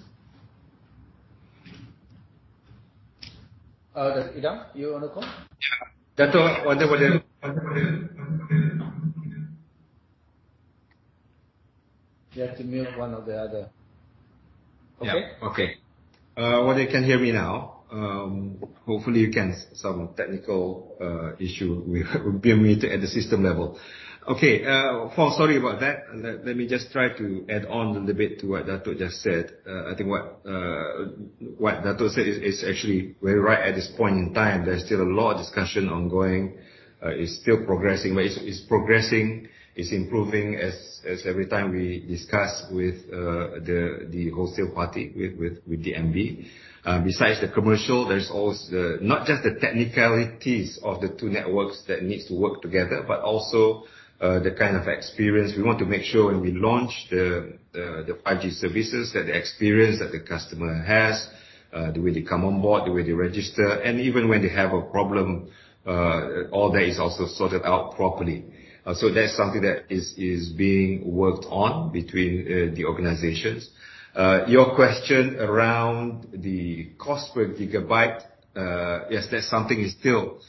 [SPEAKER 2] Idham, you wanna come?
[SPEAKER 5] Yeah.
[SPEAKER 2] Dato', you have to mute one or the other. Okay?
[SPEAKER 5] Well, you can hear me now. Hopefully you can hear me. Some technical issue we have being muted at the system level. Okay. Paul, sorry about that. Let me just try to add on a little bit to what Dato' just said. I think what Dato' said is actually very right at this point in time. There's still a lot of discussion ongoing. It's still progressing, but it's improving as every time we discuss with the wholesale party with DNB. Besides the commercial, there's also not just the technicalities of the two networks that needs to work together, but also the kind of experience. We want to make sure when we launch the 5G services, that the experience that the customer has, the way they come on board, the way they register, and even when they have a problem, all that is also sorted out properly. So that's something that is being worked on between the organizations. Your question around the cost per gigabyte, yes, that's something is still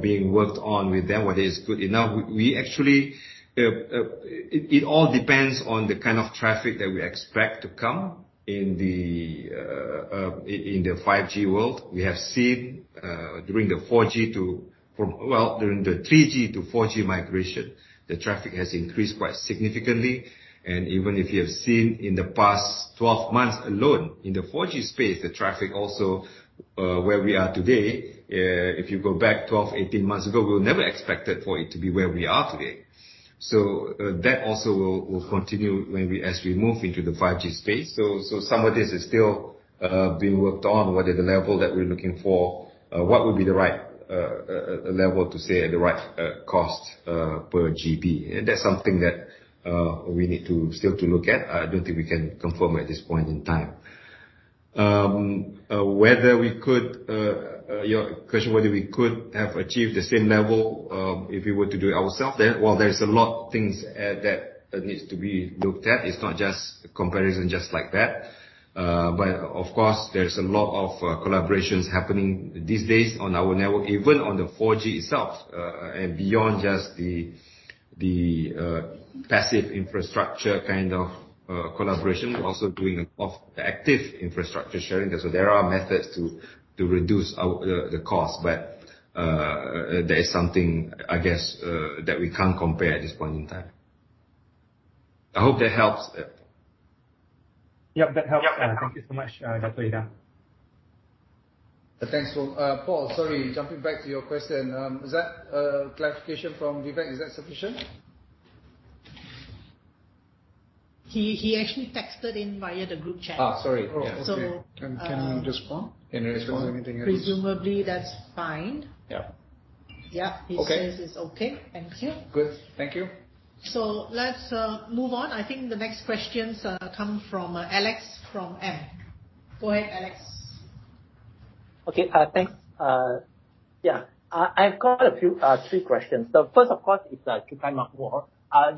[SPEAKER 5] being worked on with them. What is good enough. We actually it all depends on the kind of traffic that we expect to come in the 5G world. We have seen well, during the 3G to 4G migration, the traffic has increased quite significantly. Even if you have seen in the past 12 months alone in the 4G space, the traffic also, where we are today, if you go back 12, 18 months ago, we never expected for it to be where we are today. That also will continue when we, as we move into the 5G space. Some of this is still being worked on. What is the level that we're looking for? What would be the right level to say at the right cost per GB? That's something that we need to still look at. I don't think we can confirm at this point in time. Your question whether we could have achieved the same level if we were to do it ourself, then well, there's a lot things that needs to be looked at. It's not just comparison just like that. Of course, there's a lot of collaborations happening these days on our network, even on the 4G itself. Beyond just the passive infrastructure kind of collaboration, we're also doing of the active infrastructure sharing. There are methods to reduce our the cost, but that is something, I guess, that we can't compare at this point in time. I hope that helps.
[SPEAKER 3] Yep, that helps.
[SPEAKER 2] Yep.
[SPEAKER 3] Thank you so much, Dato' Idham.
[SPEAKER 2] Thanks, Paul. Paul, sorry, jumping back to your question. Is that clarification from Vivek, is that sufficient?
[SPEAKER 1] He actually texted in via the group chat.
[SPEAKER 2] Sorry. Yeah.
[SPEAKER 1] So, uh-
[SPEAKER 5] Can he respond?
[SPEAKER 2] Can you respond?
[SPEAKER 1] Presumably that's fine.
[SPEAKER 2] Yep.
[SPEAKER 1] Yep.
[SPEAKER 2] Okay.
[SPEAKER 1] He says it's okay. Thank you.
[SPEAKER 2] Good. Thank you.
[SPEAKER 1] Let's move on. I think the next questions come from Alex from Nomura. Go ahead, Alex.
[SPEAKER 6] Okay. Thanks. Yeah. I've got three questions. The first, of course, is the Cukai Makmur.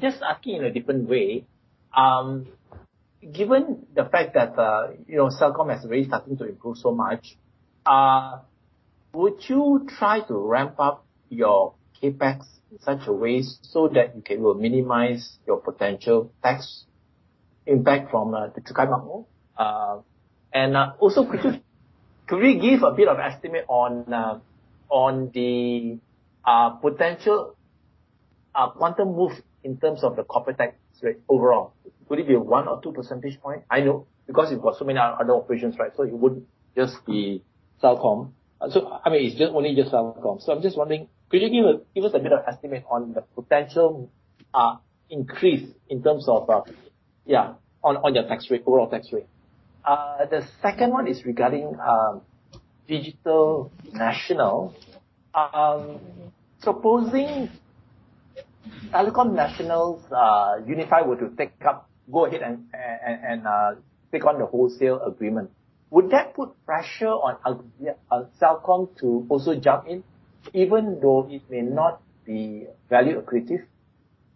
[SPEAKER 6] Just asking in a different way, given the fact that you know Celcom is really starting to improve so much, would you try to ramp up your CapEx in such a way so that you can minimize your potential tax impact from the Cukai Makmur? Also, could you give a bit of estimate on the potential quantum move in terms of the corporate tax rate overall? Would it be one or two percentage point? I know because you've got so many other operations, right? It wouldn't just be Celcom. I mean, it's just Celcom. I'm just wondering, could you give us a bit of estimate on the potential increase in terms of your tax rate, overall tax rate? The second one is regarding Digital Nasional. Supposing Telekom Malaysia's unifi were to go ahead and take on the wholesale agreement, would that put pressure on Celcom to also jump in, even though it may not be value accretive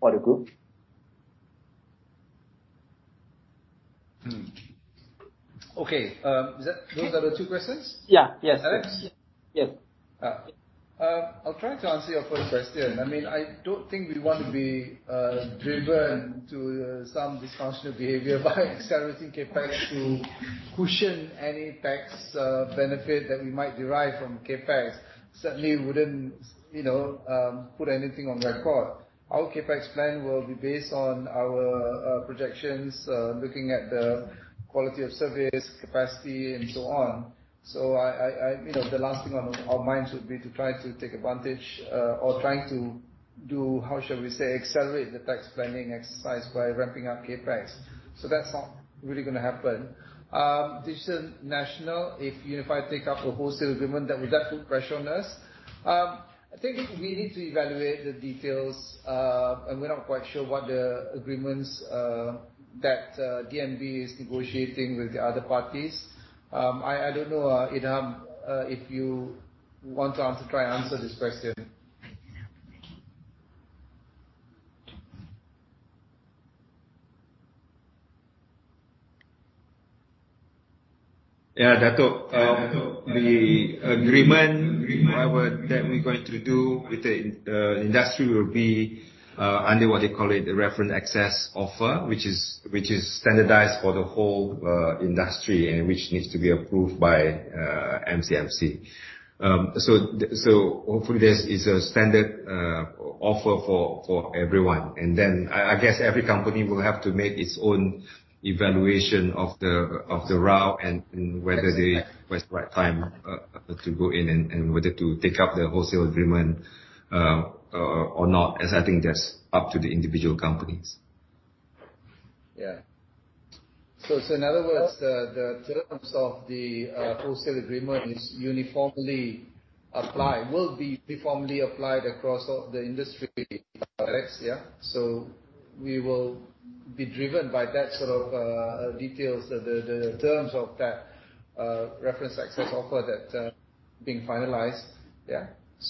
[SPEAKER 6] for the group?
[SPEAKER 2] Okay. Those are the two questions?
[SPEAKER 6] Yeah. Yes.
[SPEAKER 2] Alex?
[SPEAKER 6] Yes.
[SPEAKER 2] I'll try to answer your first question. I mean, I don't think we want to be driven to some dysfunctional behavior by accelerating CapEx to cushion any tax benefit that we might derive from CapEx. Certainly wouldn't, you know, put anything on record. Our CapEx plan will be based on our projections looking at the quality of service, capacity, and so on. You know, the last thing on our minds would be to try to take advantage or trying to do, how shall we say, accelerate the tax planning exercise by ramping up CapEx. So that's not really gonna happen. Digital Nasional, if unifi take up a wholesale agreement, then would that put pressure on us? I think we need to evaluate the details, and we're not quite sure what the agreements that DNB is negotiating with the other parties. I don't know, Idham, if you want to answer, try and answer this question.
[SPEAKER 5] Yeah, Dato'. The agreement, whatever that we're going to do with the industry will be under what they call the Reference Access Offer, which is standardized for the whole industry and which needs to be approved by MCMC. Hopefully this is a standard offer for everyone. I guess every company will have to make its own evaluation of the RAO and whether it's the right time to go in and whether to take up the wholesale agreement or not, as I think that's up to the individual companies.
[SPEAKER 2] Yeah. In other words, the terms of the wholesale agreement is uniformly applied, will be uniformly applied across all the industry products, yeah? We will be driven by that sort of details, the terms of that Reference Access Offer that being finalized.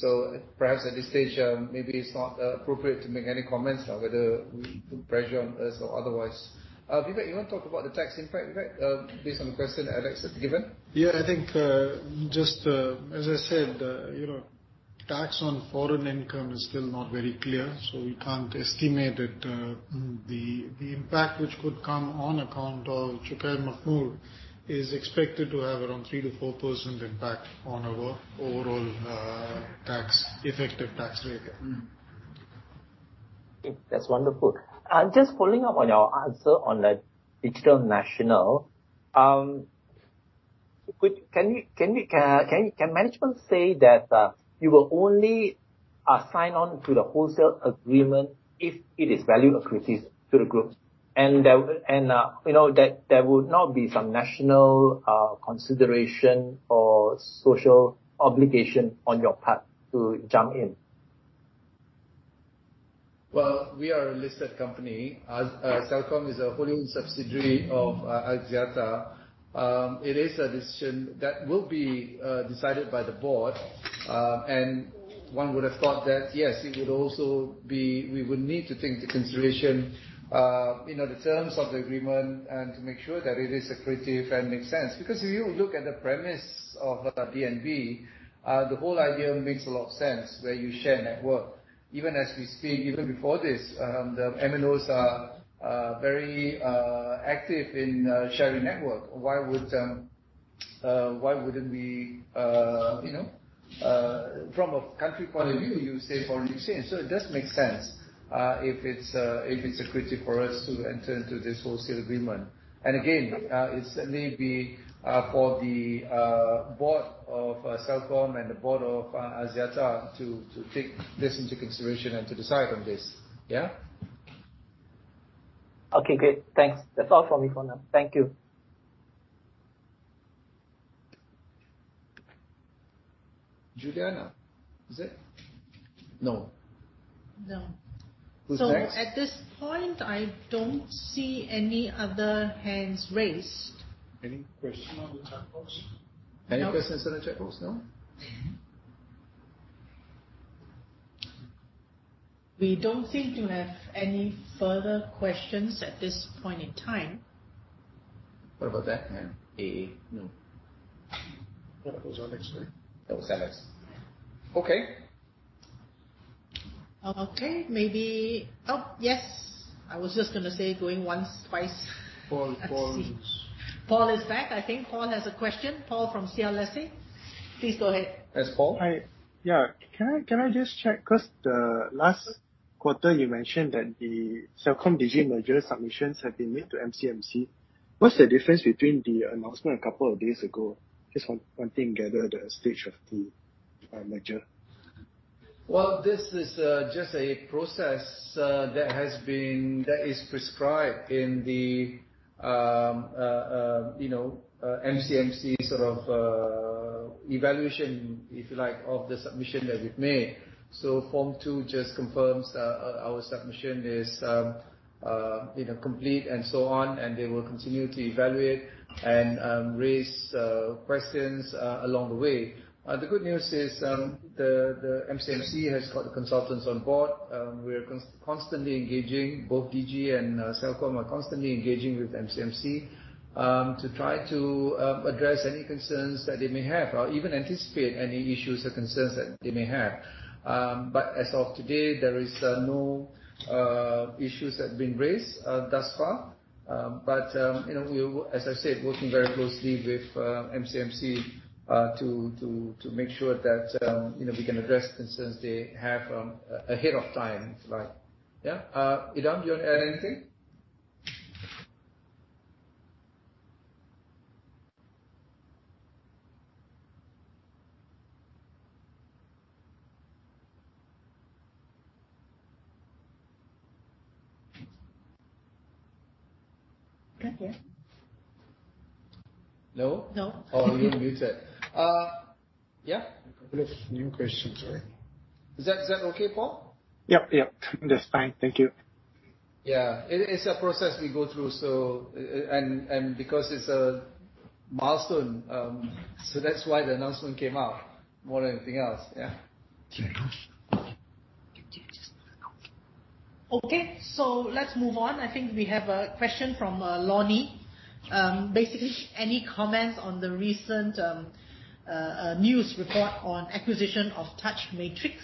[SPEAKER 2] Yeah. Perhaps at this stage, maybe it's not appropriate to make any comments on whether we put pressure on us or otherwise. Vivek, you want to talk about the tax impact, Vivek, based on the question Alex has given?
[SPEAKER 3] Yeah, I think, just, as I said, you know, tax on foreign income is still not very clear, so we can't estimate it. The impact which could come on account of Cukai Makmur is expected to have around 3%-4% impact on our overall effective tax rate. Yeah.
[SPEAKER 6] That's wonderful. Just following up on your answer on the Digital Nasional. Can management say that you will only sign on to the wholesale agreement if it is value accretive to the group? There, you know, there would not be some national consideration or social obligation on your part to jump in.
[SPEAKER 2] Well, we are a listed company. Celcom is a wholly-owned subsidiary of Axiata. It is a decision that will be decided by the board. One would have thought that, yes, it would also be. We would need to take into consideration, you know, the terms of the agreement and to make sure that it is accretive and makes sense. Because if you look at the premise of DNB, the whole idea makes a lot of sense, where you share network. Even as we speak, even before this, the MNOs are very active in sharing network. Why wouldn't we, you know, from a country point of view, you save foreign exchange. It does make sense if it's accretive for us to enter into this wholesale agreement. Again, it's certainly for the board of Celcom and the board of Axiata to take this into consideration and to decide on this. Yeah.
[SPEAKER 6] Okay, great. Thanks. That's all for me for now. Thank you.
[SPEAKER 2] Juliana, is it? No.
[SPEAKER 3] No.
[SPEAKER 2] Who's next?
[SPEAKER 1] At this point, I don't see any other hands raised.
[SPEAKER 2] Any questions?
[SPEAKER 3] Someone on the chat box.
[SPEAKER 2] Any questions in the chat box? No?
[SPEAKER 1] We don't seem to have any further questions at this point in time.
[SPEAKER 2] What about that hand? AA. No.
[SPEAKER 3] What about who's on next, right?
[SPEAKER 2] That was Alex. Okay.
[SPEAKER 1] Okay. Oh, yes. I was just gonna say, going once, twice.
[SPEAKER 3] Paul is-
[SPEAKER 1] Let's see. Paul is back, I think. Paul from CLSA, please go ahead.
[SPEAKER 2] Yes, Paul.
[SPEAKER 7] Hi. Yeah. Can I just check? 'Cause the last quarter you mentioned that the Celcom Digi merger submissions have been made to MCMC. What's the difference between the announcement a couple of days ago? Just wanting to gather the stage of the merger.
[SPEAKER 2] Well, this is just a process that has been, that is prescribed in the you know, MCMC sort of evaluation, if you like, of the submission that we've made. Form two just confirms our submission is you know, complete and so on, and they will continue to evaluate and raise questions along the way. The good news is the MCMC has got the consultants on board. We are constantly engaging, both Digi and Celcom are constantly engaging with MCMC to try to address any concerns that they may have or even anticipate any issues or concerns that they may have. As of today, there is no issues that have been raised thus far. You know, as I said, we working very closely with MCMC to make sure that, you know, we can address concerns they have ahead of time, if you like. Yeah. Idham, do you want to add anything?
[SPEAKER 1] Can't hear.
[SPEAKER 2] No?
[SPEAKER 1] No.
[SPEAKER 2] Oh, you're muted. Yeah.
[SPEAKER 3] We have new questions here.
[SPEAKER 2] Is that okay, Paul?
[SPEAKER 7] Yep. Yep. That's fine. Thank you.
[SPEAKER 2] Yeah. It's a process we go through, so and because it's a milestone, so that's why the announcement came out more than anything else. Yeah.
[SPEAKER 1] Okay. Let's move on. I think we have a question from Lonnie. Basically, any comments on the recent news report on acquisition of Touch Matrix?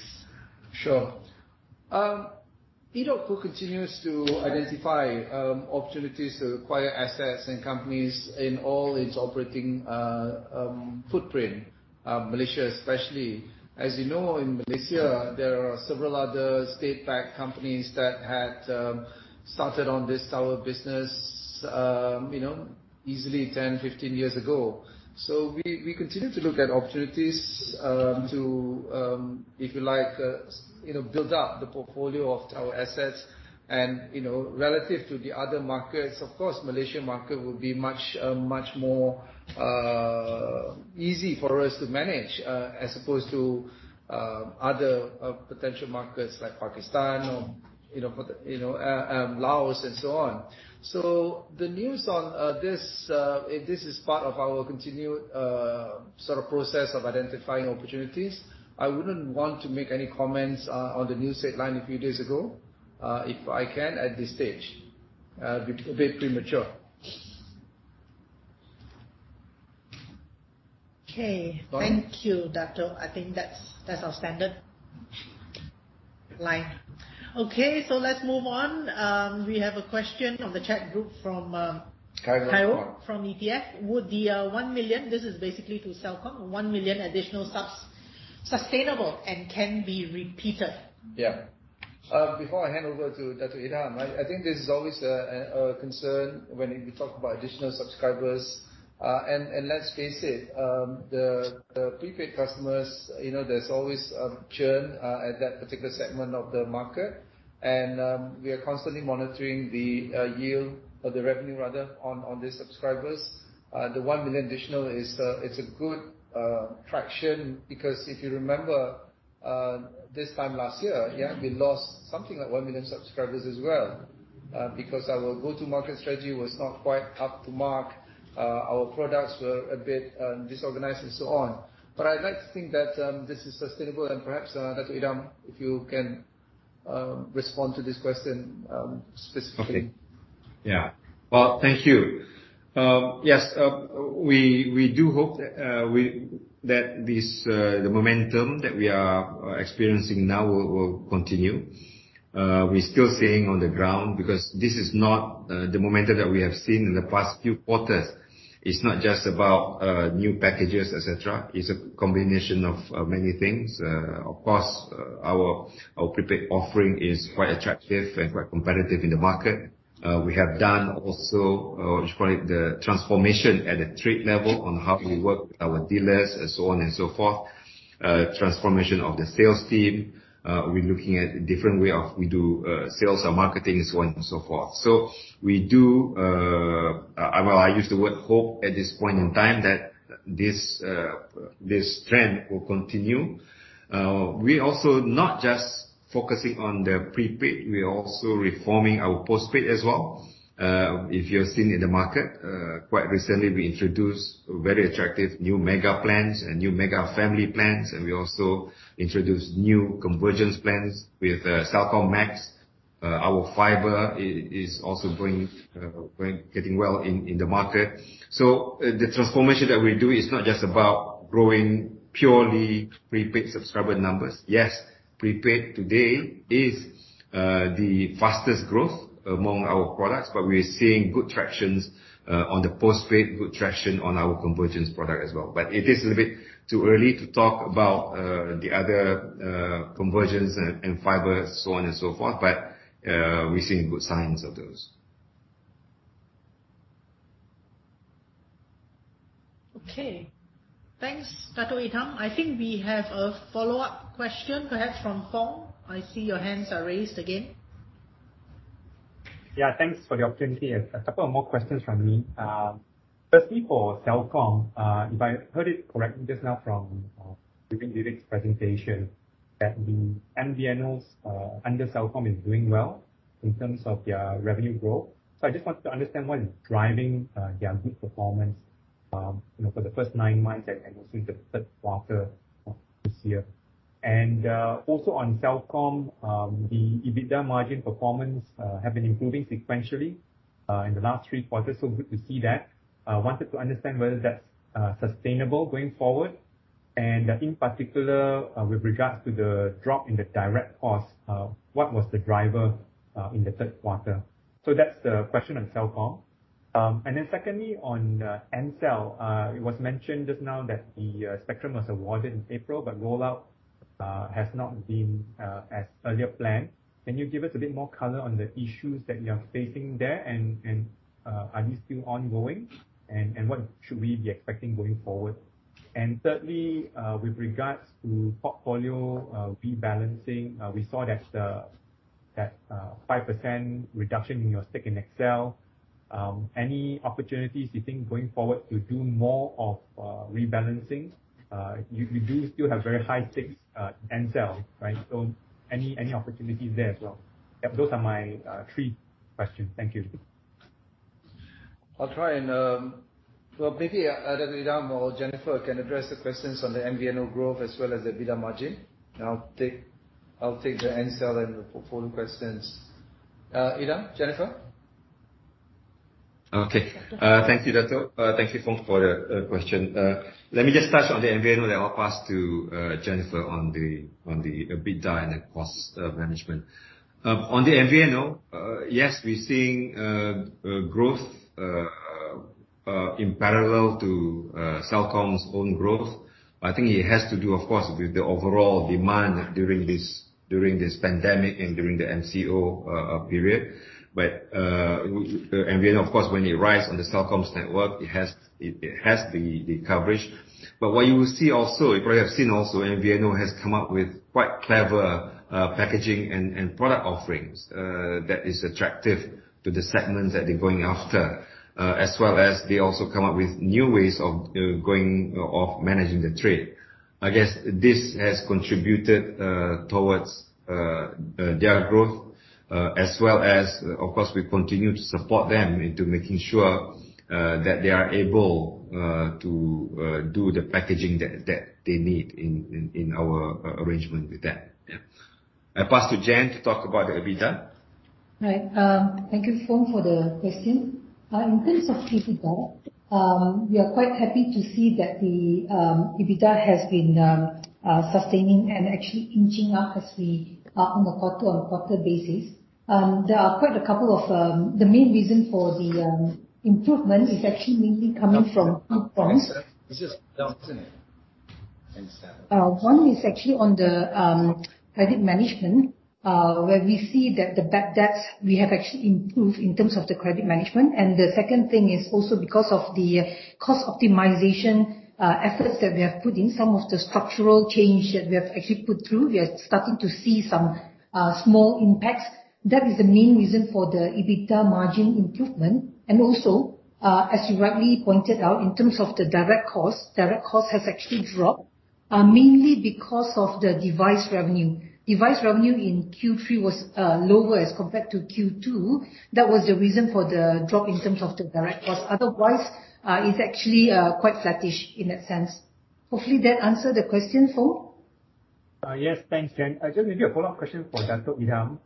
[SPEAKER 2] Sure. edotco continues to identify opportunities to acquire assets and companies in all its operating footprint, Malaysia, especially. As you know, in Malaysia, there are several other state-backed companies that had started on this tower business, you know, easily 10, 15 years ago. We continue to look at opportunities to, if you like, you know, build up the portfolio of tower assets and, you know, relative to the other markets. Of course, Malaysia market will be much more easy for us to manage, as opposed to other potential markets like Pakistan or, you know, Laos and so on. The news on this is part of our continued sort of process of identifying opportunities. I wouldn't want to make any comments on the news headline a few days ago, if I can, at this stage. It would be a bit premature.
[SPEAKER 1] Okay. Thank you, Dato'. I think that's our standard line. Okay, let's move on. We have a question on the chat group from,
[SPEAKER 2] Kairos
[SPEAKER 1] Kairos from ETF. Would the 1 million, this is basically to Celcom, 1 million additional subs sustainable and can be repeated?
[SPEAKER 2] Before I hand over to Dato' Idham, I think this is always a concern when we talk about additional subscribers. Let's face it, the prepaid customers, you know, there's always a churn at that particular segment of the market, and we are constantly monitoring the yield or the revenue rather, on the subscribers. The 1 million additional is, it's a good traction because if you remember, this time last year, we lost something like 1 million subscribers as well because our go-to-market strategy was not quite up to mark, our products were a bit disorganized and so on. I'd like to think that this is sustainable and perhaps, Dato' Idham, if you can respond to this question specifically.
[SPEAKER 5] Okay. Yeah. Well, thank you. Yes, we do hope that this, the momentum that we are experiencing now will continue. We're still seeing on the ground because this is not the momentum that we have seen in the past few quarters. It's not just about new packages, et cetera. It's a combination of many things. Of course, our prepaid offering is quite attractive and quite competitive in the market. We have done also what you call it, the transformation at the trade level on how we work with our dealers and so on and so forth. Transformation of the sales team. We're looking at different way of we do sales and marketing, so on and so forth. We do hope at this point in time that this trend will continue. We're also not just focusing on the prepaid, we are also reforming our postpaid as well. If you have seen in the market quite recently, we introduced a very attractive new MEGA plans and new MEGA Family Plans, and we also introduced new convergence plans with Celcom MAX. Our fiber is also bringing getting well in the market. The transformation that we're doing is not just about growing purely prepaid subscriber numbers. Yes, prepaid today is the fastest growth among our products, but we are seeing good tractions on the postpaid, good traction on our convergence product as well. It is a bit too early to talk about the other convergence and fiber so on and so forth. We're seeing good signs of those.
[SPEAKER 1] Okay. Thanks, Dato' Idham. I think we have a follow-up question perhaps from Foong. I see your hands are raised again.
[SPEAKER 4] Yeah, thanks for the opportunity. A couple of more questions from me. Firstly, for Celcom, if I heard it correctly just now from during Vivek's presentation that the MVNOs under Celcom is doing well in terms of their revenue growth. I just wanted to understand what is driving their good performance, you know, for the first nine months and also the third quarter of this year. Also on Celcom, the EBITDA margin performance have been improving sequentially in the last three quarters. Good to see that. Wanted to understand whether that's sustainable going forward. In particular, with regards to the drop in the direct cost, what was the driver in the third quarter? That's the question on Celcom. Secondly, on Ncell. It was mentioned just now that the spectrum was awarded in April, but rollout has not been as earlier planned. Can you give us a bit more color on the issues that you are facing there? Are these still ongoing? What should we be expecting going forward? Thirdly, with regards to portfolio rebalancing, we saw that 5% reduction in your stake in XL Axiata. Any opportunities you think going forward to do more of rebalancing? You do still have very high stakes in Ncell, right? Any opportunities there as well? Those are my three questions. Thank you.
[SPEAKER 2] Maybe either Idham or Jennifer can address the questions on the MVNO growth as well as the EBITDA margin. I'll take the Ncell and the portfolio questions. Idham, Jennifer.
[SPEAKER 5] Okay. Thank you, Dato'. Thank you, Foong, for the question. Let me just touch on the MVNO, then I'll pass to Jennifer on the EBITDA and the cost management. On the MVNO, yes, we're seeing growth in parallel to Celcom's own growth. I think it has to do, of course, with the overall demand during this pandemic and during the MCO period. The MVNO, of course, when it rides on the Celcom's network, it has the coverage. What you will see also, if you have seen also, MVNO has come up with quite clever packaging and product offerings that is attractive to the segments that they're going after. As well as they also come up with new ways of going. Of managing the trade. I guess this has contributed towards their growth, as well as, of course, we continue to support them into making sure that they are able to do the packaging that they need in our arrangement with them. Yeah. I pass to Jennifer to talk about the EBITDA.
[SPEAKER 8] Right. Thank you, Foong, for the question. In terms of EBITDA, we are quite happy to see that the EBITDA has been sustaining and actually inching up as we on a quarter-on-quarter basis. The main reason for the improvement is actually mainly coming from two fronts.
[SPEAKER 2] It's just down, isn't it? Ncell.
[SPEAKER 8] One is actually on the credit management, where we see that the bad debts we have actually improved in terms of the credit management. The second thing is also because of the cost optimization efforts that we have put in. Some of the structural change that we have actually put through, we are starting to see some small impacts. That is the main reason for the EBITDA margin improvement. Also, as you rightly pointed out, in terms of the direct cost, direct cost has actually dropped, mainly because of the device revenue. Device revenue in Q3 was lower as compared to Q2. That was the reason for the drop in terms of the direct cost. Otherwise, it's actually quite flattish in that sense. Hopefully that answered the question, Foong.
[SPEAKER 4] Yes. Thanks, Jennifer. Just maybe a follow-up question for Dato' Idham.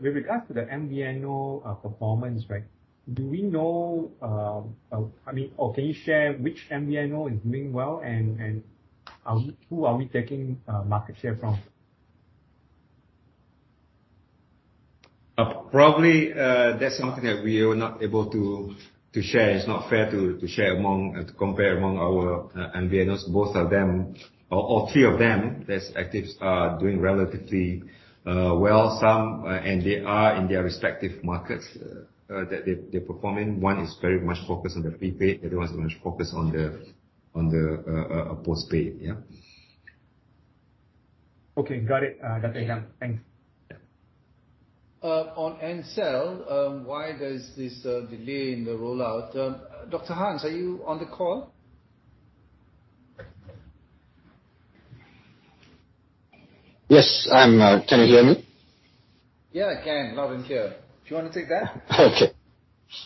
[SPEAKER 4] With regards to the MVNO performance, right? Do we know, I mean, or can you share which MVNO is doing well, and who are we taking market share from?
[SPEAKER 5] Probably that's something that we are not able to share. It's not fair to share among and to compare among our MVNOs. Both of them, all three of them that are active, are doing relatively well. They are in their respective markets that they operate in. One is very much focused on the prepaid. The other one is very much focused on the postpaid.
[SPEAKER 4] Okay. Got it, Dato' Idham. Thanks.
[SPEAKER 5] Yeah.
[SPEAKER 2] On Ncell, why there's this delay in the rollout? Dr. Hans, are you on the call?
[SPEAKER 9] Yes, I'm. Can you hear me?
[SPEAKER 2] Yeah, I can, loud and clear. Do you wanna take that?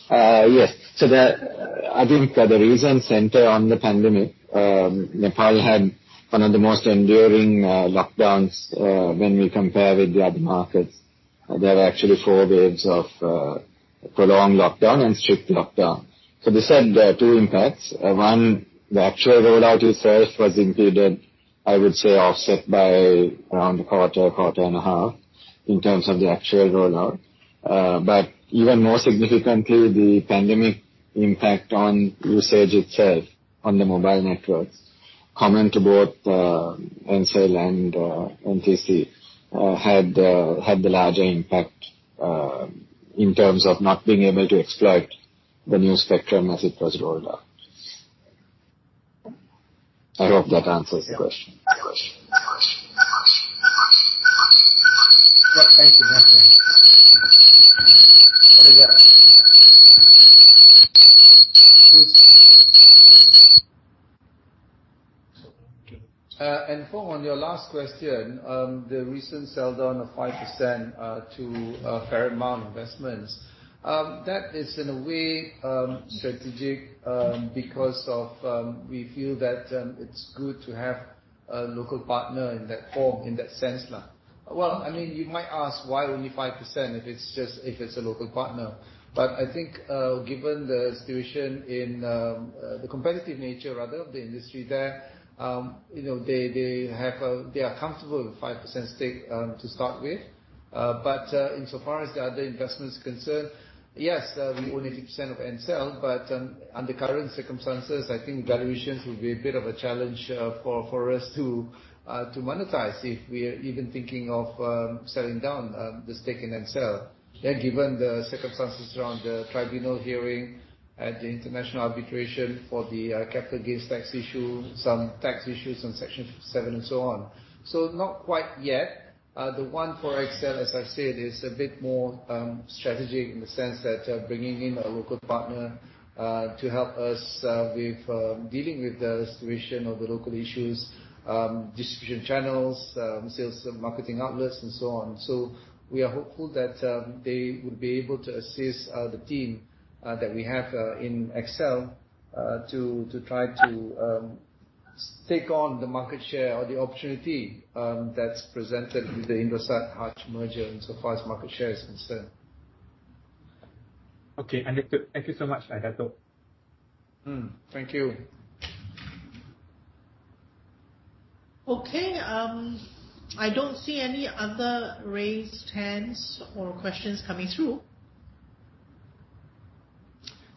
[SPEAKER 9] I think the reasons center on the pandemic. Nepal had one of the most enduring lockdowns when we compare with the other markets. There are actually four waves of prolonged lockdown and strict lockdown. This had two impacts. One, the actual rollout itself was indeed, I would say, offset by around a quarter and a half in terms of the actual rollout. But even more significantly, the pandemic impact on usage itself on the mobile networks, common to both Ncell and NTC, had the larger impact in terms of not being able to exploit the new spectrum as it was rolled out. I hope that answers the question.
[SPEAKER 2] Well, thank you, Dr. Hans. And Foong, on your last question, the recent sell-down of 5% to Ferrymount Investments. That is in a way strategic because we feel that it's good to have a local partner in that form, in that sense. Well, I mean, you might ask why only 5% if it's just a local partner. But I think, given the situation in the competitive nature rather of the industry there, you know, they are comfortable with 5% stake to start with. Insofar as the other investment is concerned, yes, we own 80% of Ncell, but under current circumstances, I think valuations will be a bit of a challenge for us to monetize if we're even thinking of selling down the stake in Ncell. Given the circumstances around the tribunal hearing at the international arbitration for the capital gains tax issue, some tax issues on Section seven, and so on. Not quite yet. The one for XL, as I said, is a bit more strategic in the sense that we're bringing in a local partner to help us with dealing with the situation of the local issues, distribution channels, sales and marketing outlets, and so on. We are hopeful that they would be able to assist the team that we have in XL to try to take on the market share or the opportunity that's presented with the Indosat Hutchison merger insofar as market share is concerned.
[SPEAKER 4] Okay, understood. Thank you so much, Dato.
[SPEAKER 2] Thank you.
[SPEAKER 1] Okay. I don't see any other raised hands or questions coming through.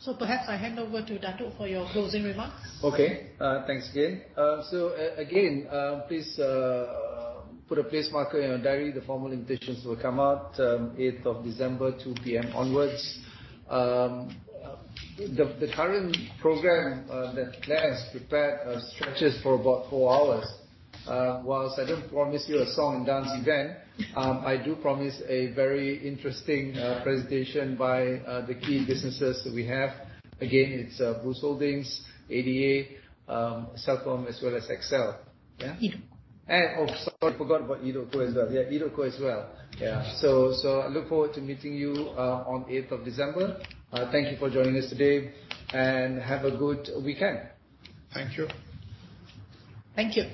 [SPEAKER 1] Perhaps I hand over to Dato' for your closing remarks.
[SPEAKER 2] Okay. Thanks again. So again, please put a place marker in your diary. The formal invitations will come out on December 8, 2 P.M. onwards. The current program that Clare has prepared stretches for about four hours. Whilst I don't promise you a song and dance event, I do promise a very interesting presentation by the key businesses that we have. Again, it's Boost Holdings, ADA, Celcom as well as XL. Yeah.
[SPEAKER 1] Edotco.
[SPEAKER 2] Oh, sorry, I forgot about EDOTCO as well. Yeah, EDOTCO as well. Yeah. I look forward to meeting you on eighth of December. Thank you for joining us today and have a good weekend.
[SPEAKER 3] Thank you.
[SPEAKER 1] Thank you.